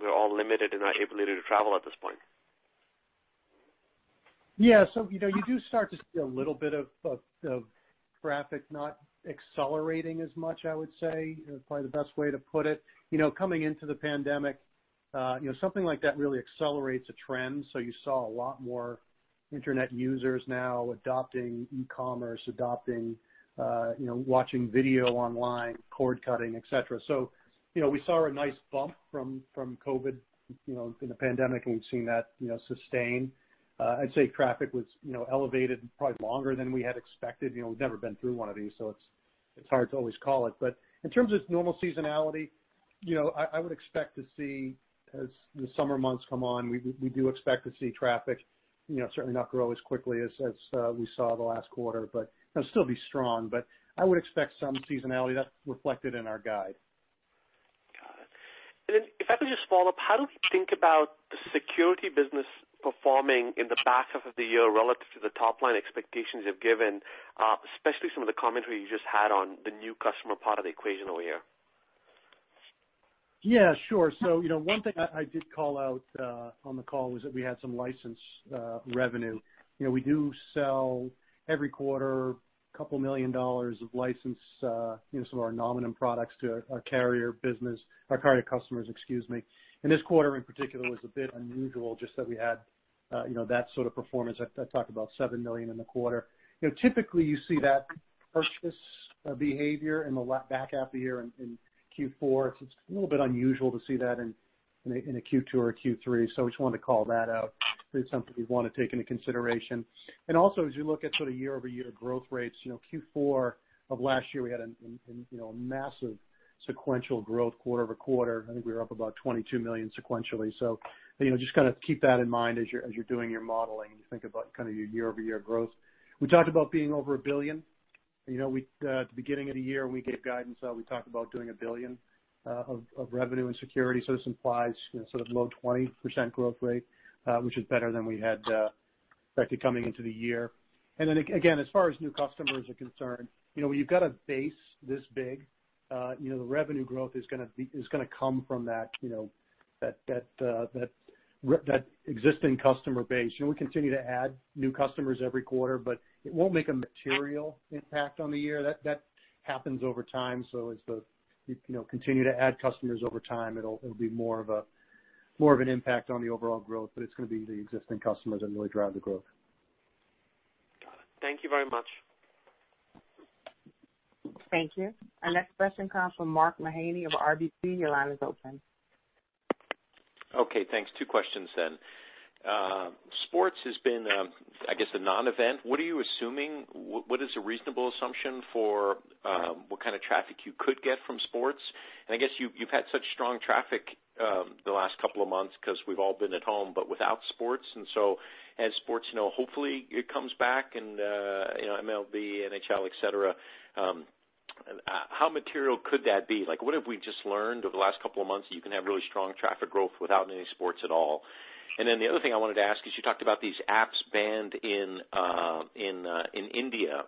we're all limited and not able to travel at this point? Yeah. You do start to see a little bit of traffic not accelerating as much, I would say, probably the best way to put it. Coming into the pandemic, something like that really accelerates a trend. You saw a lot more internet users now adopting e-commerce, adopting watching video online, cord-cutting, et cetera. We saw a nice bump from COVID-19 in the pandemic, and we've seen that sustain. I'd say traffic was elevated probably longer than we had expected. We've never been through one of these, so it's hard to always call it. In terms of normal seasonality, I would expect to see, as the summer months come on, we do expect to see traffic certainly not grow as quickly as we saw the last quarter, but it'll still be strong. I would expect some seasonality. That's reflected in our guide. Got it. If I could just follow up, how do we think about the security business performing in the back half of the year relative to the top-line expectations you've given, especially some of the commentary you just had on the new customer part of the equation over here? Yeah, sure. One thing I did call out on the call was that we had some license revenue. We do sell every quarter, a couple million dollars of license, some of our Nominum products to our carrier business, our carrier customers, excuse me. This quarter in particular was a bit unusual, just that we had that sort of performance. I talked about $7 million in the quarter. Typically, you see that purchase behavior in the back half of the year in Q4. It's a little bit unusual to see that in a Q2 or a Q3. I just wanted to call that out as something we want to take into consideration. Also, as you look at sort of year-over-year growth rates, Q4 of last year, we had a massive sequential growth quarter-over-quarter. I think we were up about $22 million sequentially. Just kind of keep that in mind as you're doing your modeling and you think about your year-over-year growth. We talked about being over $1 billion. At the beginning of the year, when we gave guidance out, we talked about doing $1 billion of revenue and security. This implies sort of low 20% growth rate, which is better than we had expected coming into the year. Again, as far as new customers are concerned, when you've got a base this big, the revenue growth is going to come from that existing customer base. We continue to add new customers every quarter, but it won't make a material impact on the year. That happens over time. As you continue to add customers over time, it'll be more of an impact on the overall growth, but it's going to be the existing customers that really drive the growth. Got it. Thank you very much. Thank you. Our next question comes from Mark Mahaney of RBC. Your line is open. Okay, thanks. Two questions. Sports has been, I guess, a non-event. What is a reasonable assumption for what kind of traffic you could get from sports? I guess you've had such strong traffic the last couple of months because we've all been at home, but without sports, as sports, hopefully it comes back, and MLB, NHL, et cetera, how material could that be? What have we just learned over the last couple of months that you can have really strong traffic growth without any sports at all? The other thing I wanted to ask is, you talked about these apps banned in India.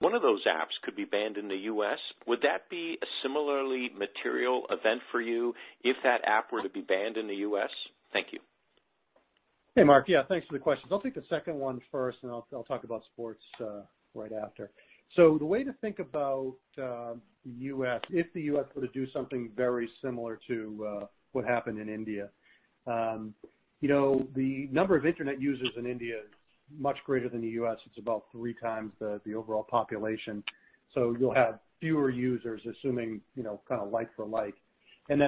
One of those apps could be banned in the U.S. Would that be a similarly material event for you if that app were to be banned in the U.S.? Thank you. Hey, Mark. Yeah, thanks for the questions. I'll take the second one first, and I'll talk about sports right after. The way to think about the U.S., if the U.S. were to do something very similar to what happened in India. The number of internet users in India is much greater than the U.S. It's about 3x the overall population. You'll have fewer users, assuming, kind of like for like.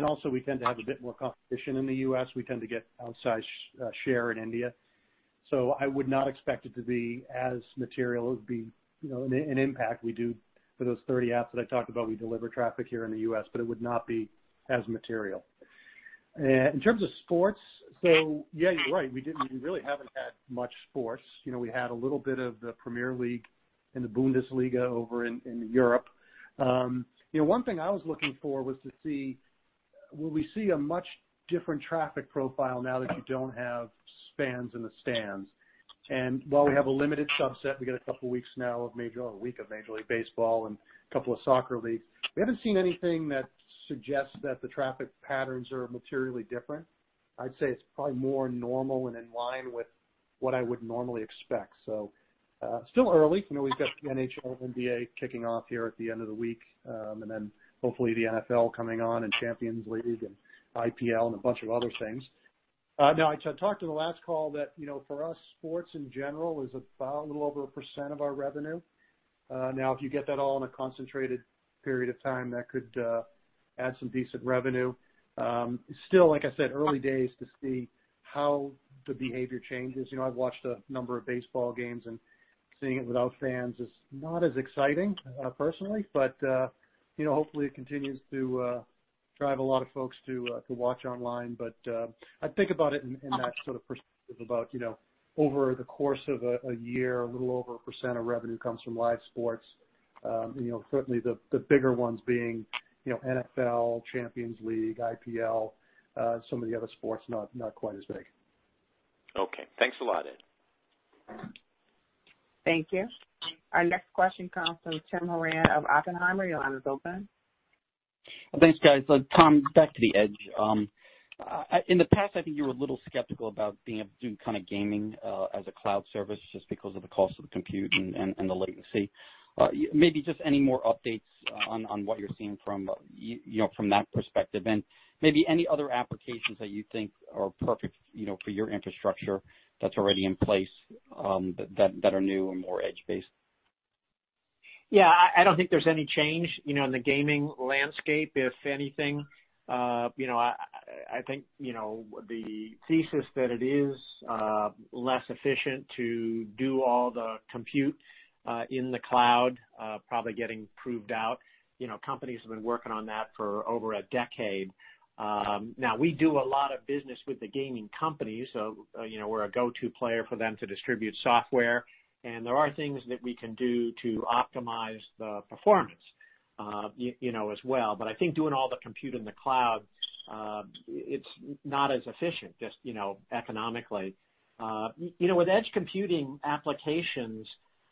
Also, we tend to have a bit more competition in the U.S. We tend to get outsized share in India. I would not expect it to be as material, an impact we do for those 30 apps that I talked about. We deliver traffic here in the U.S., but it would not be as material. In terms of sports, yeah, you're right. We really haven't had much sports. We had a little bit of the Premier League and the Bundesliga over in Europe. One thing I was looking for was to see, will we see a much different traffic profile now that you don't have fans in the stands? While we have a limited subset, we get a couple weeks now of a week of Major League Baseball and a couple of soccer leagues. We haven't seen anything that suggests that the traffic patterns are materially different. I'd say it's probably more normal and in line with what I would normally expect. Still early. We've got the NHL and NBA kicking off here at the end of the week, and then hopefully the NFL coming on and Champions League and IPL and a bunch of other things. I talked in the last call that for us, sports in general is about a little over 1% of our revenue. If you get that all in a concentrated period of time, that could add some decent revenue. Still, like I said, early days to see how the behavior changes. I've watched a number of baseball games, and seeing it without fans is not as exciting, personally. Hopefully, it continues to drive a lot of folks to watch online. I think about it in that sort of perspective, about over the course of a year, a little over 1% of revenue comes from live sports. Certainly, the bigger ones being NFL, Champions League, IPL, some of the other sports, not quite as big. Okay. Thanks a lot, Ed. Thank you. Our next question comes from Tim Horan of Oppenheimer. Your line is open. Thanks, guys. Tom, back to the Edge. In the past, I think you were a little skeptical about being able to do kind of gaming as a cloud service just because of the cost of the compute and the latency. Maybe just any more updates on what you're seeing from that perspective, and maybe any other applications that you think are perfect for your infrastructure that's already in place, that are new and more edge-based? Yeah, I don't think there's any change in the gaming landscape. If anything, I think the thesis that it is less efficient to do all the compute in the cloud, probably getting proved out. Companies have been working on that for over a decade. We do a lot of business with the gaming companies, so we're a go-to player for them to distribute software. There are things that we can do to optimize the performance as well. I think doing all the compute in the cloud, it's not as efficient, just economically. With edge computing applications,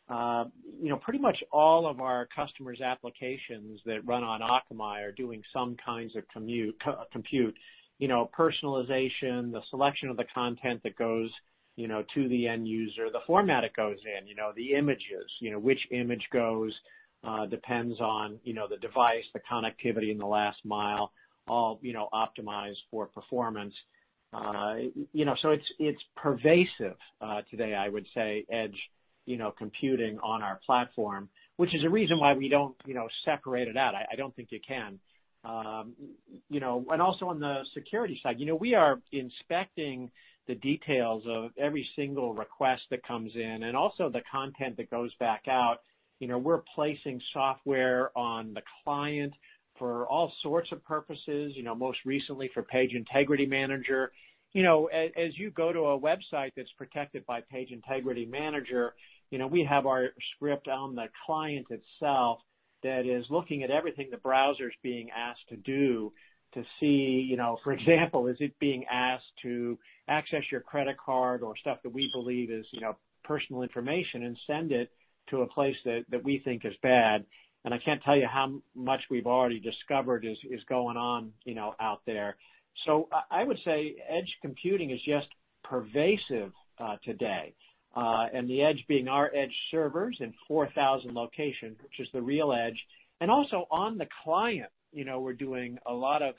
pretty much all of our customers' applications that run on Akamai are doing some kinds of compute. Personalization, the selection of the content that goes to the end user, the format it goes in, the images, which image goes, depends on the device, the connectivity in the last mile, all optimized for performance. It's pervasive today, I would say, edge computing on our platform, which is a reason why we don't separate it out. I don't think you can. Also on the security side, we are inspecting the details of every single request that comes in and also the content that goes back out. We're placing software on the client for all sorts of purposes, most recently for Page Integrity Manager. As you go to a website that's protected by Page Integrity Manager, we have our script on the client itself that is looking at everything the browser's being asked to do to see, for example, is it being asked to access your credit card or stuff that we believe is personal information and send it to a place that we think is bad. I can't tell you how much we've already discovered is going on out there. I would say edge computing is just pervasive today. The edge being our edge servers in 4,000 locations, which is the real edge. Also, on the client, we're doing a lot of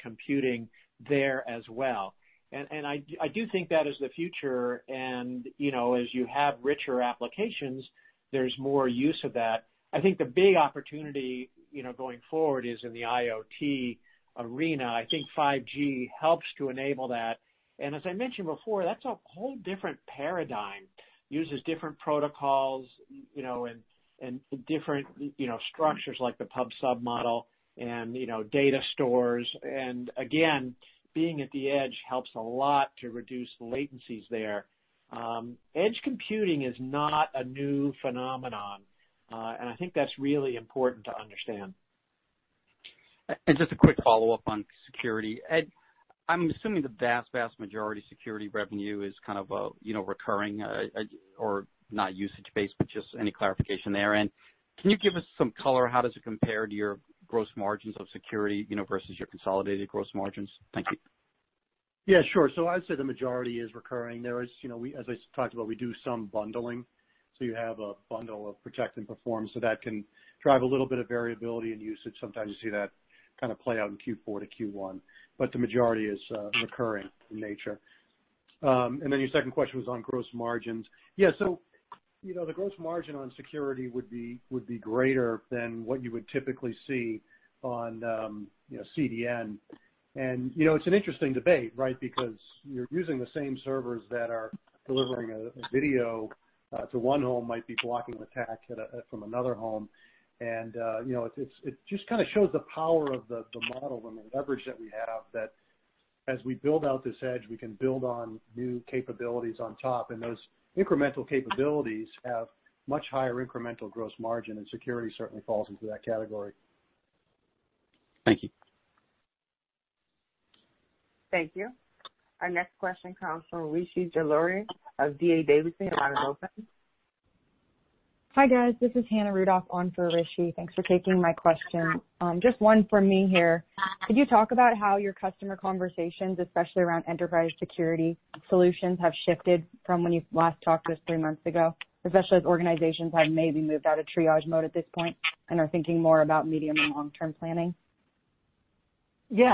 computing there as well. I do think that is the future, and as you have richer applications, there's more use of that. I think the big opportunity going forward is in the IoT arena. I think 5G helps to enable that. As I mentioned before, that's a whole different paradigm. Uses different protocols and different structures, like the Pub/Sub model and data stores. Again, being at the edge helps a lot to reduce latencies there. Edge computing is not a new phenomenon, and I think that's really important to understand. Just a quick follow-up on security. Ed, I'm assuming the vast majority security revenue is kind of recurring or not usage-based, but just any clarification there. Can you give us some color, how does it compare to your gross margins of security versus your consolidated gross margins? Thank you. Yeah, sure. I'd say the majority is recurring. As I talked about, we do some bundling; you have a bundle of Protect and Perform, that can drive a little bit of variability in usage. Sometimes you see that kind of play out in Q4 to Q1, but the majority is recurring in nature. Then your second question was on gross margins. Yeah. The gross margin on security would be greater than what you would typically see on CDN. It's an interesting debate, right? Because you're using the same servers that are delivering a video to one home might be blocking attack from another home. It just kind of shows the power of the model and the leverage that we have that, as we build out this edge, we can build on new capabilities on top, and those incremental capabilities have much higher incremental gross margin, and security certainly falls into that category. Thank you. Thank you. Our next question comes from Rishi Jaluria of D.A. Davidson. Line is open. Hi, guys. This is Hannah Rudoff on for Rishi. Thanks for taking my question. Just one from me here. Could you talk about how your customer conversations, especially around enterprise security solutions, have shifted from when you last talked to us three months ago, especially as organizations have maybe moved out of triage mode at this point and are thinking more about medium and long-term planning? Yeah.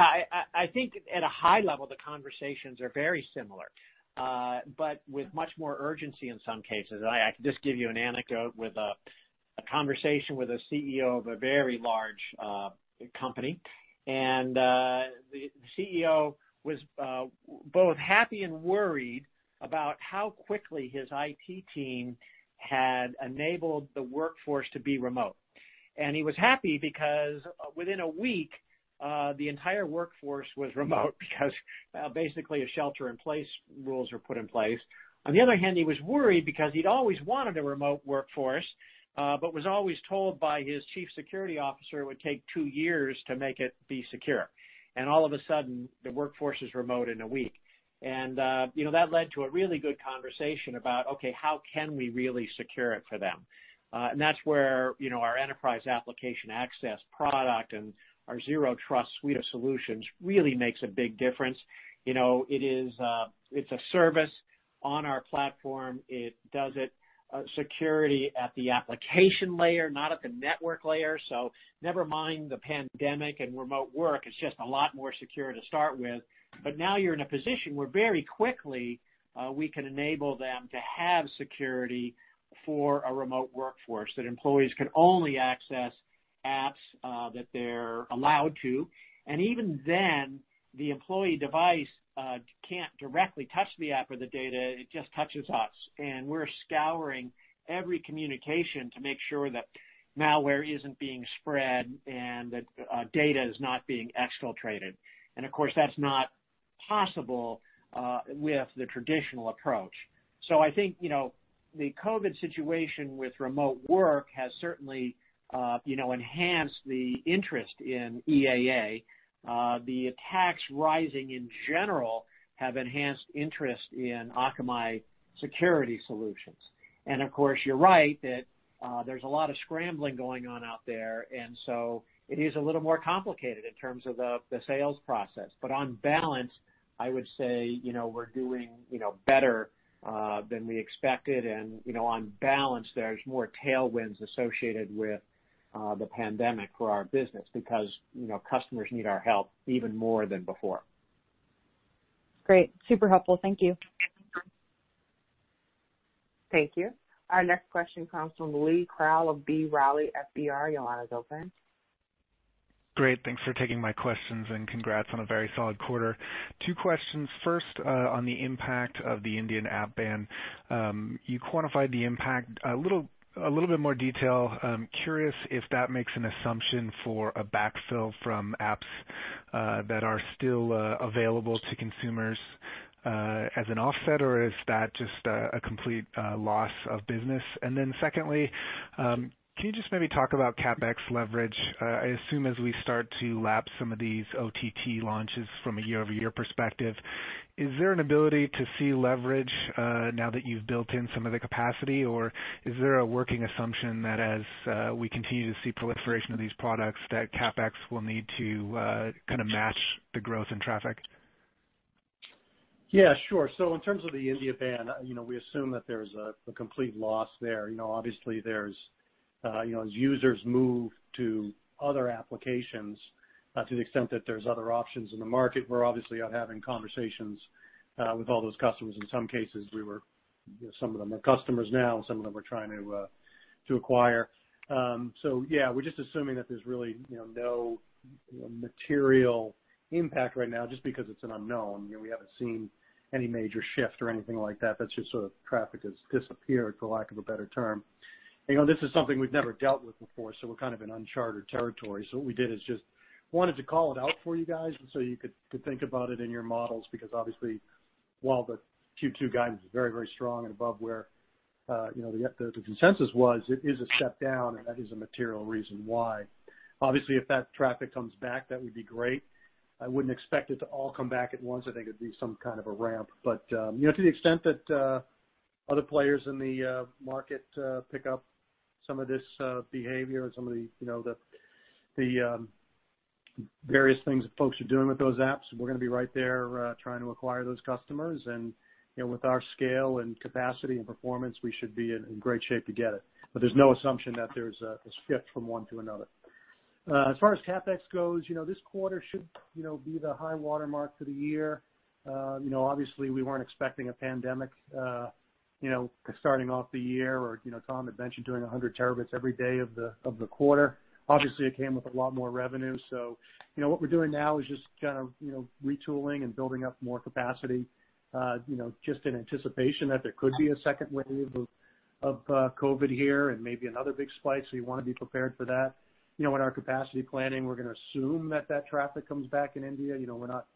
I think at a high level, the conversations are very similar, but with much more urgency in some cases. I can just give you an anecdote with a conversation with a CEO of a very large company. The CEO was both happy and worried about how quickly his IT team had enabled the workforce to be remote. He was happy because within a week, the entire workforce was remote because basically shelter-in-place rules were put in place. On the other hand, he was worried because he'd always wanted a remote workforce, but was always told by his Chief Security Officer it would take two years to make it be secure. All of a sudden, the workforce is remote in a week. That led to a really good conversation about, okay, how can we really secure it for them? That's where our Enterprise Application Access product and our Zero Trust suite of solutions really makes a big difference. It's a service on our platform. It does it security at the application layer, not at the network layer. Never mind the pandemic and remote work, it's just a lot more secure to start with. Now you're in a position where very quickly, we can enable them to have security for a remote workforce, that employees can only access apps that they're allowed to. Even then, the employee device can't directly touch the app or the data; it just touches us. We're scouring every communication to make sure that malware isn't being spread and that data is not being exfiltrated. Of course, that's not possible with the traditional approach. I think the COVID-19 situation with remote work has certainly enhanced the interest in EAA. The attacks rising in general have enhanced interest in Akamai security solutions. Of course, you're right, that there's a lot of scrambling going on out there, and so it is a little more complicated in terms of the sales process. On balance, I would say we're doing better than we expected, and on balance, there's more tailwinds associated with the pandemic for our business because customers need our help even more than before. Great. Super helpful. Thank you. Thank you. Our next question comes from Lee Krowl of B. Riley FBR. Your line is open. Great. Thanks for taking my questions, congrats on a very solid quarter. Two questions. First, on the impact of the Indian app ban. You quantified the impact. A little bit more detail. I'm curious if that makes an assumption for a backfill from apps that are still available to consumers as an offset, or is that just a complete loss of business? Secondly, can you just maybe talk about CapEx leverage? I assume, as we start to lap some of these OTT launches from a year-over-year perspective, is there an ability to see leverage now that you've built in some of the capacity, or is there a working assumption that as we continue to see proliferation of these products, that CapEx will need to kind of match the growth in traffic? Sure. In terms of the India ban, we assume that there's a complete loss there. Obviously, as users move to other applications, to the extent that there's other options in the market, we're obviously out having conversations with all those customers. In some cases, some of them are customers now, some of them we're trying to acquire. Yeah, we're just assuming that there's really no material impact right now just because it's an unknown. We haven't seen any major shift or anything like that. That's just sort of traffic has disappeared, for lack of a better term. This is something we've never dealt with before, so we're kind of in uncharted territory. What we did is just wanted to call it out for you guys, and so you could think about it in your models, because obviously, while the Q2 guidance is very strong and above where the consensus was, it is a step down, and that is a material reason why. Obviously, if that traffic comes back, that would be great. I wouldn't expect it to all come back at once. I think it'd be some kind of a ramp. To the extent that other players in the market pick up some of this behavior and some of the various things that folks are doing with those apps, we're going to be right there trying to acquire those customers. With our scale and capacity and performance, we should be in great shape to get it. There's no assumption that there's a shift from one to another. As far as CapEx goes, this quarter should be the high watermark for the year. Obviously, we weren't expecting a pandemic starting off the year, or Tom had mentioned doing 100 terabits every day of the quarter. Obviously, it came with a lot more revenue. What we're doing now is just kind of retooling and building up more capacity just in anticipation that there could be a second wave of COVID here and maybe another big spike. We want to be prepared for that. In our capacity planning, we're going to assume that traffic comes back in India. We're not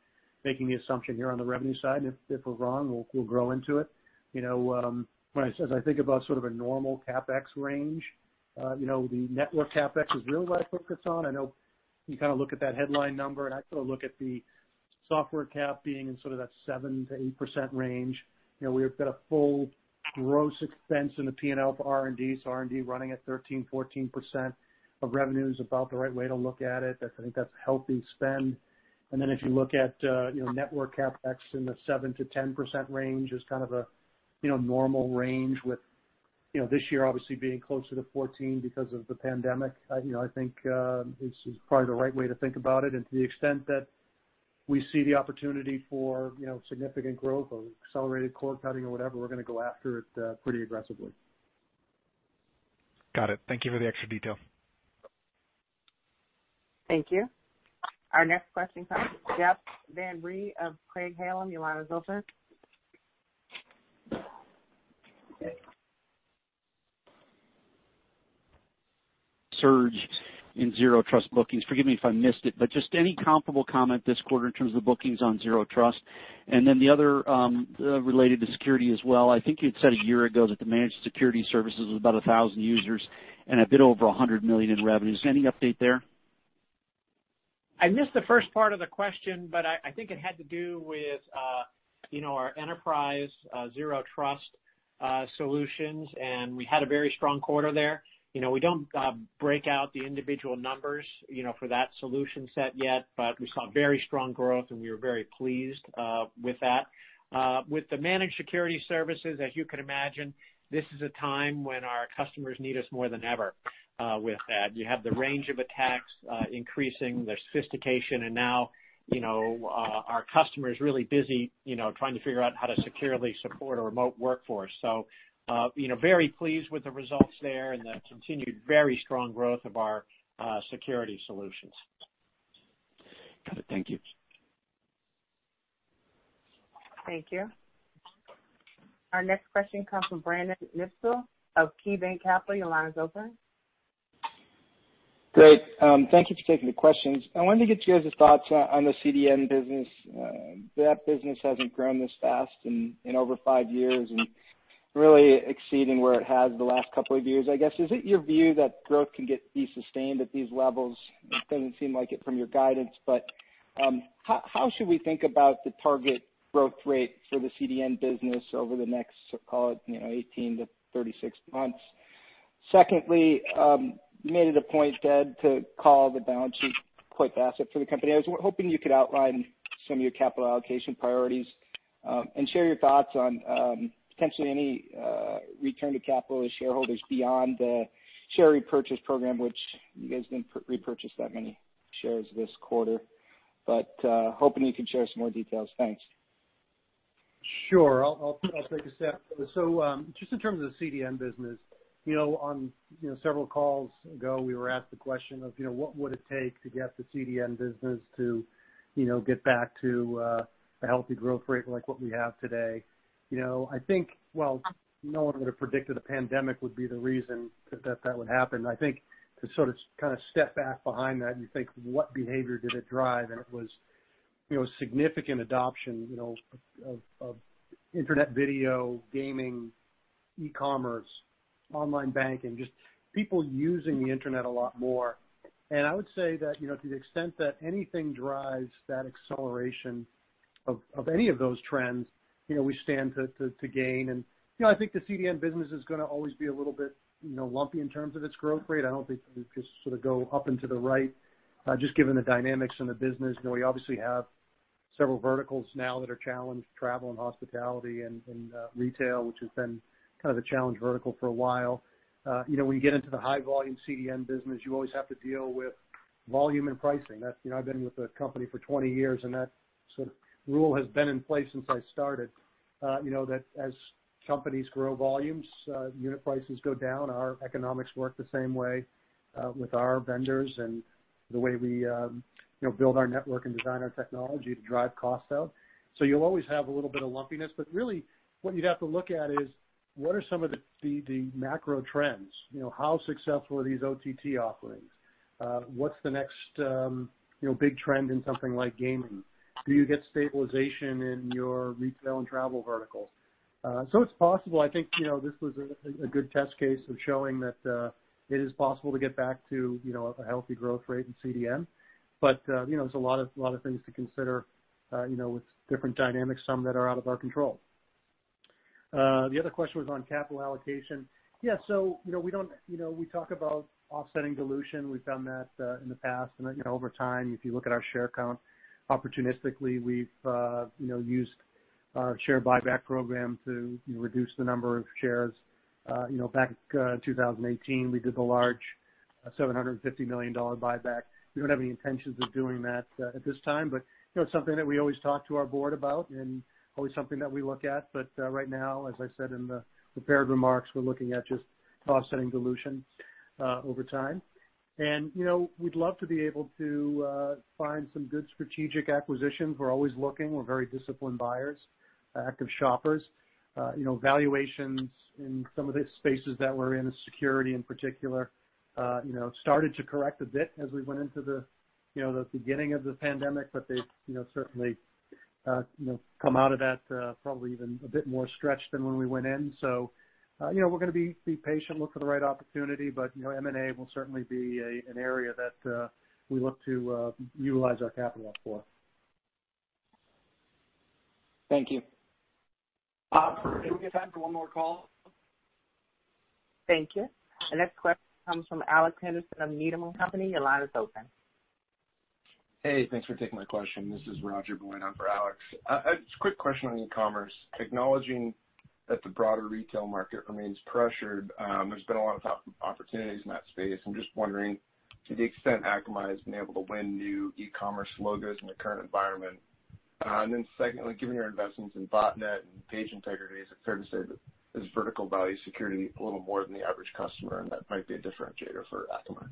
making the assumption here on the revenue side. If we're wrong, we'll grow into it. As I think about sort of a normal CapEx range, the network CapEx is really what I focus on. I know you kind of look at that headline number, and I sort of look at the software CapEx being in sort of that 7%-8% range. We've got a full gross expense in the P&L for R&D, so R&D running at 13%-14% of revenue is about the right way to look at it. I think that's healthy spend. If you look at network CapEx in the 7%-10% range is kind of a normal range, with this year obviously being closer to 14% because of the pandemic. I think this is probably the right way to think about it, and to the extent that we see the opportunity for significant growth or accelerated cord-cutting or whatever, we're going to go after it pretty aggressively. Got it. Thank you for the extra detail. Thank you. Our next question comes from Jeff Van Rhee of Craig-Hallum. Your line is open. Surge in Zero Trust bookings. Forgive me if I missed it, but just any comparable comment this quarter in terms of bookings on Zero Trust? Then the other related to security as well. I think you'd said a year ago that the managed security services was about 1,000 users and a bit over $100 million in revenues. Any update there? I missed the first part of the question, but I think it had to do with our enterprise Zero Trust solutions, and we had a very strong quarter there. We don't break out the individual numbers for that solution set yet, but we saw very strong growth, and we were very pleased with that. With the managed security services, as you can imagine, this is a time when our customers need us more than ever with that. You have the range of attacks increasing, their sophistication, and now our customer is really busy trying to figure out how to securely support a remote workforce. Very pleased with the results there and the continued very strong growth of our security solutions. Got it. Thank you. Thank you. Our next question comes from Brandon Nispel of KeyBanc Capital. Your line is open. Great. Thank you for taking the questions. I wanted to get you guys' thoughts on the CDN business. That business hasn't grown this fast in over five years, and really exceeding where it has the last couple of years, I guess. Is it your view that growth can be sustained at these levels? It doesn't seem like it from your guidance. How should we think about the target growth rate for the CDN business over the next, call it 18 to 36 months? Secondly, you made it a point, Ed, to call the balance sheet quite the asset for the company. I was hoping you could outline some of your capital allocation priorities, and share your thoughts on potentially any return to capital to shareholders beyond the share repurchase program, which you guys didn't repurchase that many shares this quarter. Hoping you can share some more details. Thanks. Sure. I'll take a stab at this. Just in terms of the CDN business, on several calls ago, we were asked the question of what would it take to get the CDN business to get back to a healthy growth rate like what we have today? I think, well, no one would've predicted a pandemic would be the reason that would happen. I think to sort of step back behind that, and you think, what behavior did it drive? It was significant adoption of internet video, gaming, e-commerce, online banking, just people using the internet a lot more. I would say that, to the extent that anything drives that acceleration of any of those trends, we stand to gain. I think the CDN business is going to always be a little bit lumpy in terms of its growth rate. I don't think we can just sort of go up and to the right, just given the dynamics in the business. We obviously have several verticals now that are challenged, travel and hospitality and retail, which has been kind of a challenge vertical for a while. When you get into the high-volume CDN business, you always have to deal with volume and pricing. I've been with the company for 20 years, and that sort of rule has been in place since I started. That as companies grow volumes, unit prices go down. Our economics work the same way, with our vendors and the way we build our network and design our technology to drive costs out. You'll always have a little bit of lumpiness, but really, what you'd have to look at is what are some of the macro trends. How successful are these OTT offerings? What's the next big trend in something like gaming? Do you get stabilization in your retail and travel verticals? It's possible. I think, this was a good test case of showing that it is possible to get back to a healthy growth rate in CDN. There's a lot of things to consider, with different dynamics, some that are out of our control. The other question was on capital allocation. We talk about offsetting dilution. We've done that in the past, and then, over time, if you look at our share count, opportunistically, we've used our share buyback program to reduce the number of shares. Back in 2018, we did the large $750 million buyback. We don't have any intentions of doing that at this time, but it's something that we always talk to our board about and always something that we look at. Right now, as I said in the prepared remarks, we're looking at just offsetting dilution over time. We'd love to be able to find some good strategic acquisitions. We're always looking. We're very disciplined buyers, active shoppers. Valuations in some of the spaces that we're in, security in particular, started to correct a bit as we went into the beginning of the pandemic, but they've certainly come out of that, probably even a bit more stretched than when we went in. We're going to be patient, look for the right opportunity, but M&A will certainly be an area that we look to utilize our capital for. Thank you. Do we have time for one more call? Thank you. The next question comes from Alex Henderson of Needham & Company. Your line is open. Hey, thanks for taking my question. This is Roger going on for Alex. A quick question on e-commerce. Acknowledging that the broader retail market remains pressured, there's been a lot of talk of opportunities in that space. I'm just wondering, to the extent Akamai has been able to win new e-commerce logos in the current environment. Secondly, given your investments in Botnet and Page Integrity, is it fair to say that this vertical values security a little more than the average customer, and that might be a differentiator for Akamai?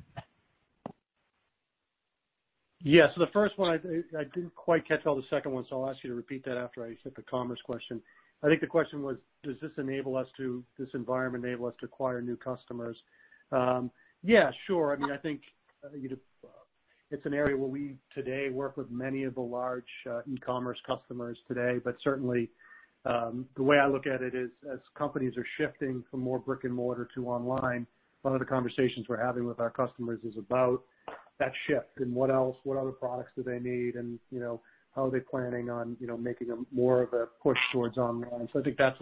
Yeah. The first one, I didn't quite catch all the second one, so I'll ask you to repeat that after I take the commerce question. I think the question was, does this environment enable us to acquire new customers? Yeah, sure. I think it's an area where we today work with many of the large e-commerce customers today. Certainly, the way I look at it is, as companies are shifting from more brick and mortar to online, one of the conversations we're having with our customers is about that shift and what other products do they need, and how are they planning on making more of a push towards online. I think that's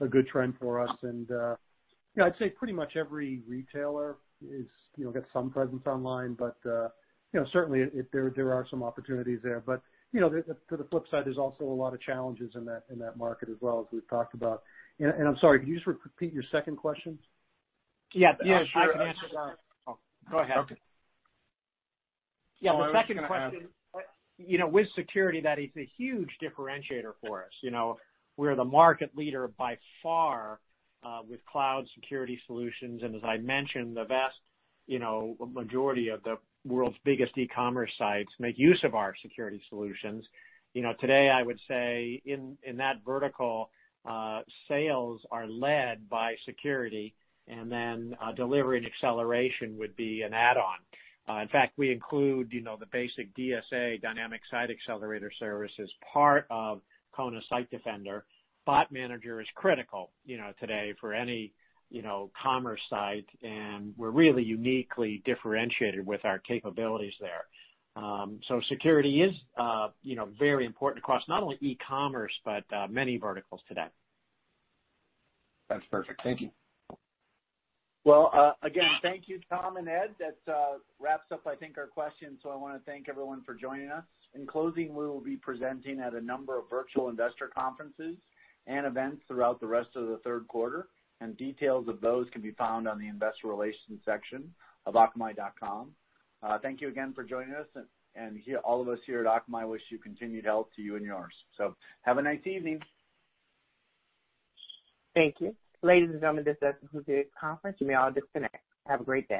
a good trend for us. I'd say pretty much every retailer gets some presence online. Certainly, there are some opportunities there. To the flip side, there's also a lot of challenges in that market as well, as we've talked about. I'm sorry, could you just repeat your second question? Yeah, sure. I can answer that. Oh, go ahead. Yeah, the second question. I was just going to ask- With security, that is a huge differentiator for us. We're the market leader by far, with cloud security solutions, and as I mentioned, the vast majority of the world's biggest e-commerce sites make use of our security solutions. Today I would say in that vertical, sales are led by security, and then delivery and acceleration would be an add-on. In fact, we include the basic DSA, Dynamic Site Accelerator service, as part of Kona Site Defender. Bot Manager is critical today for any commerce site, and we're really uniquely differentiated with our capabilities there. Security is very important across not only e-commerce, but many verticals today. That's perfect. Thank you. Well, again, thank you, Tom and Ed. That wraps up, I think, our questions, so I want to thank everyone for joining us. In closing, we will be presenting at a number of virtual investor conferences and events throughout the rest of the third quarter, and details of those can be found on the investor relations section of akamai.com. Thank you again for joining us, and all of us here at Akamai wish you continued health to you and yours. Have a nice evening. Thank you. Ladies and gentlemen, this does conclude the conference. You may all disconnect. Have a great day.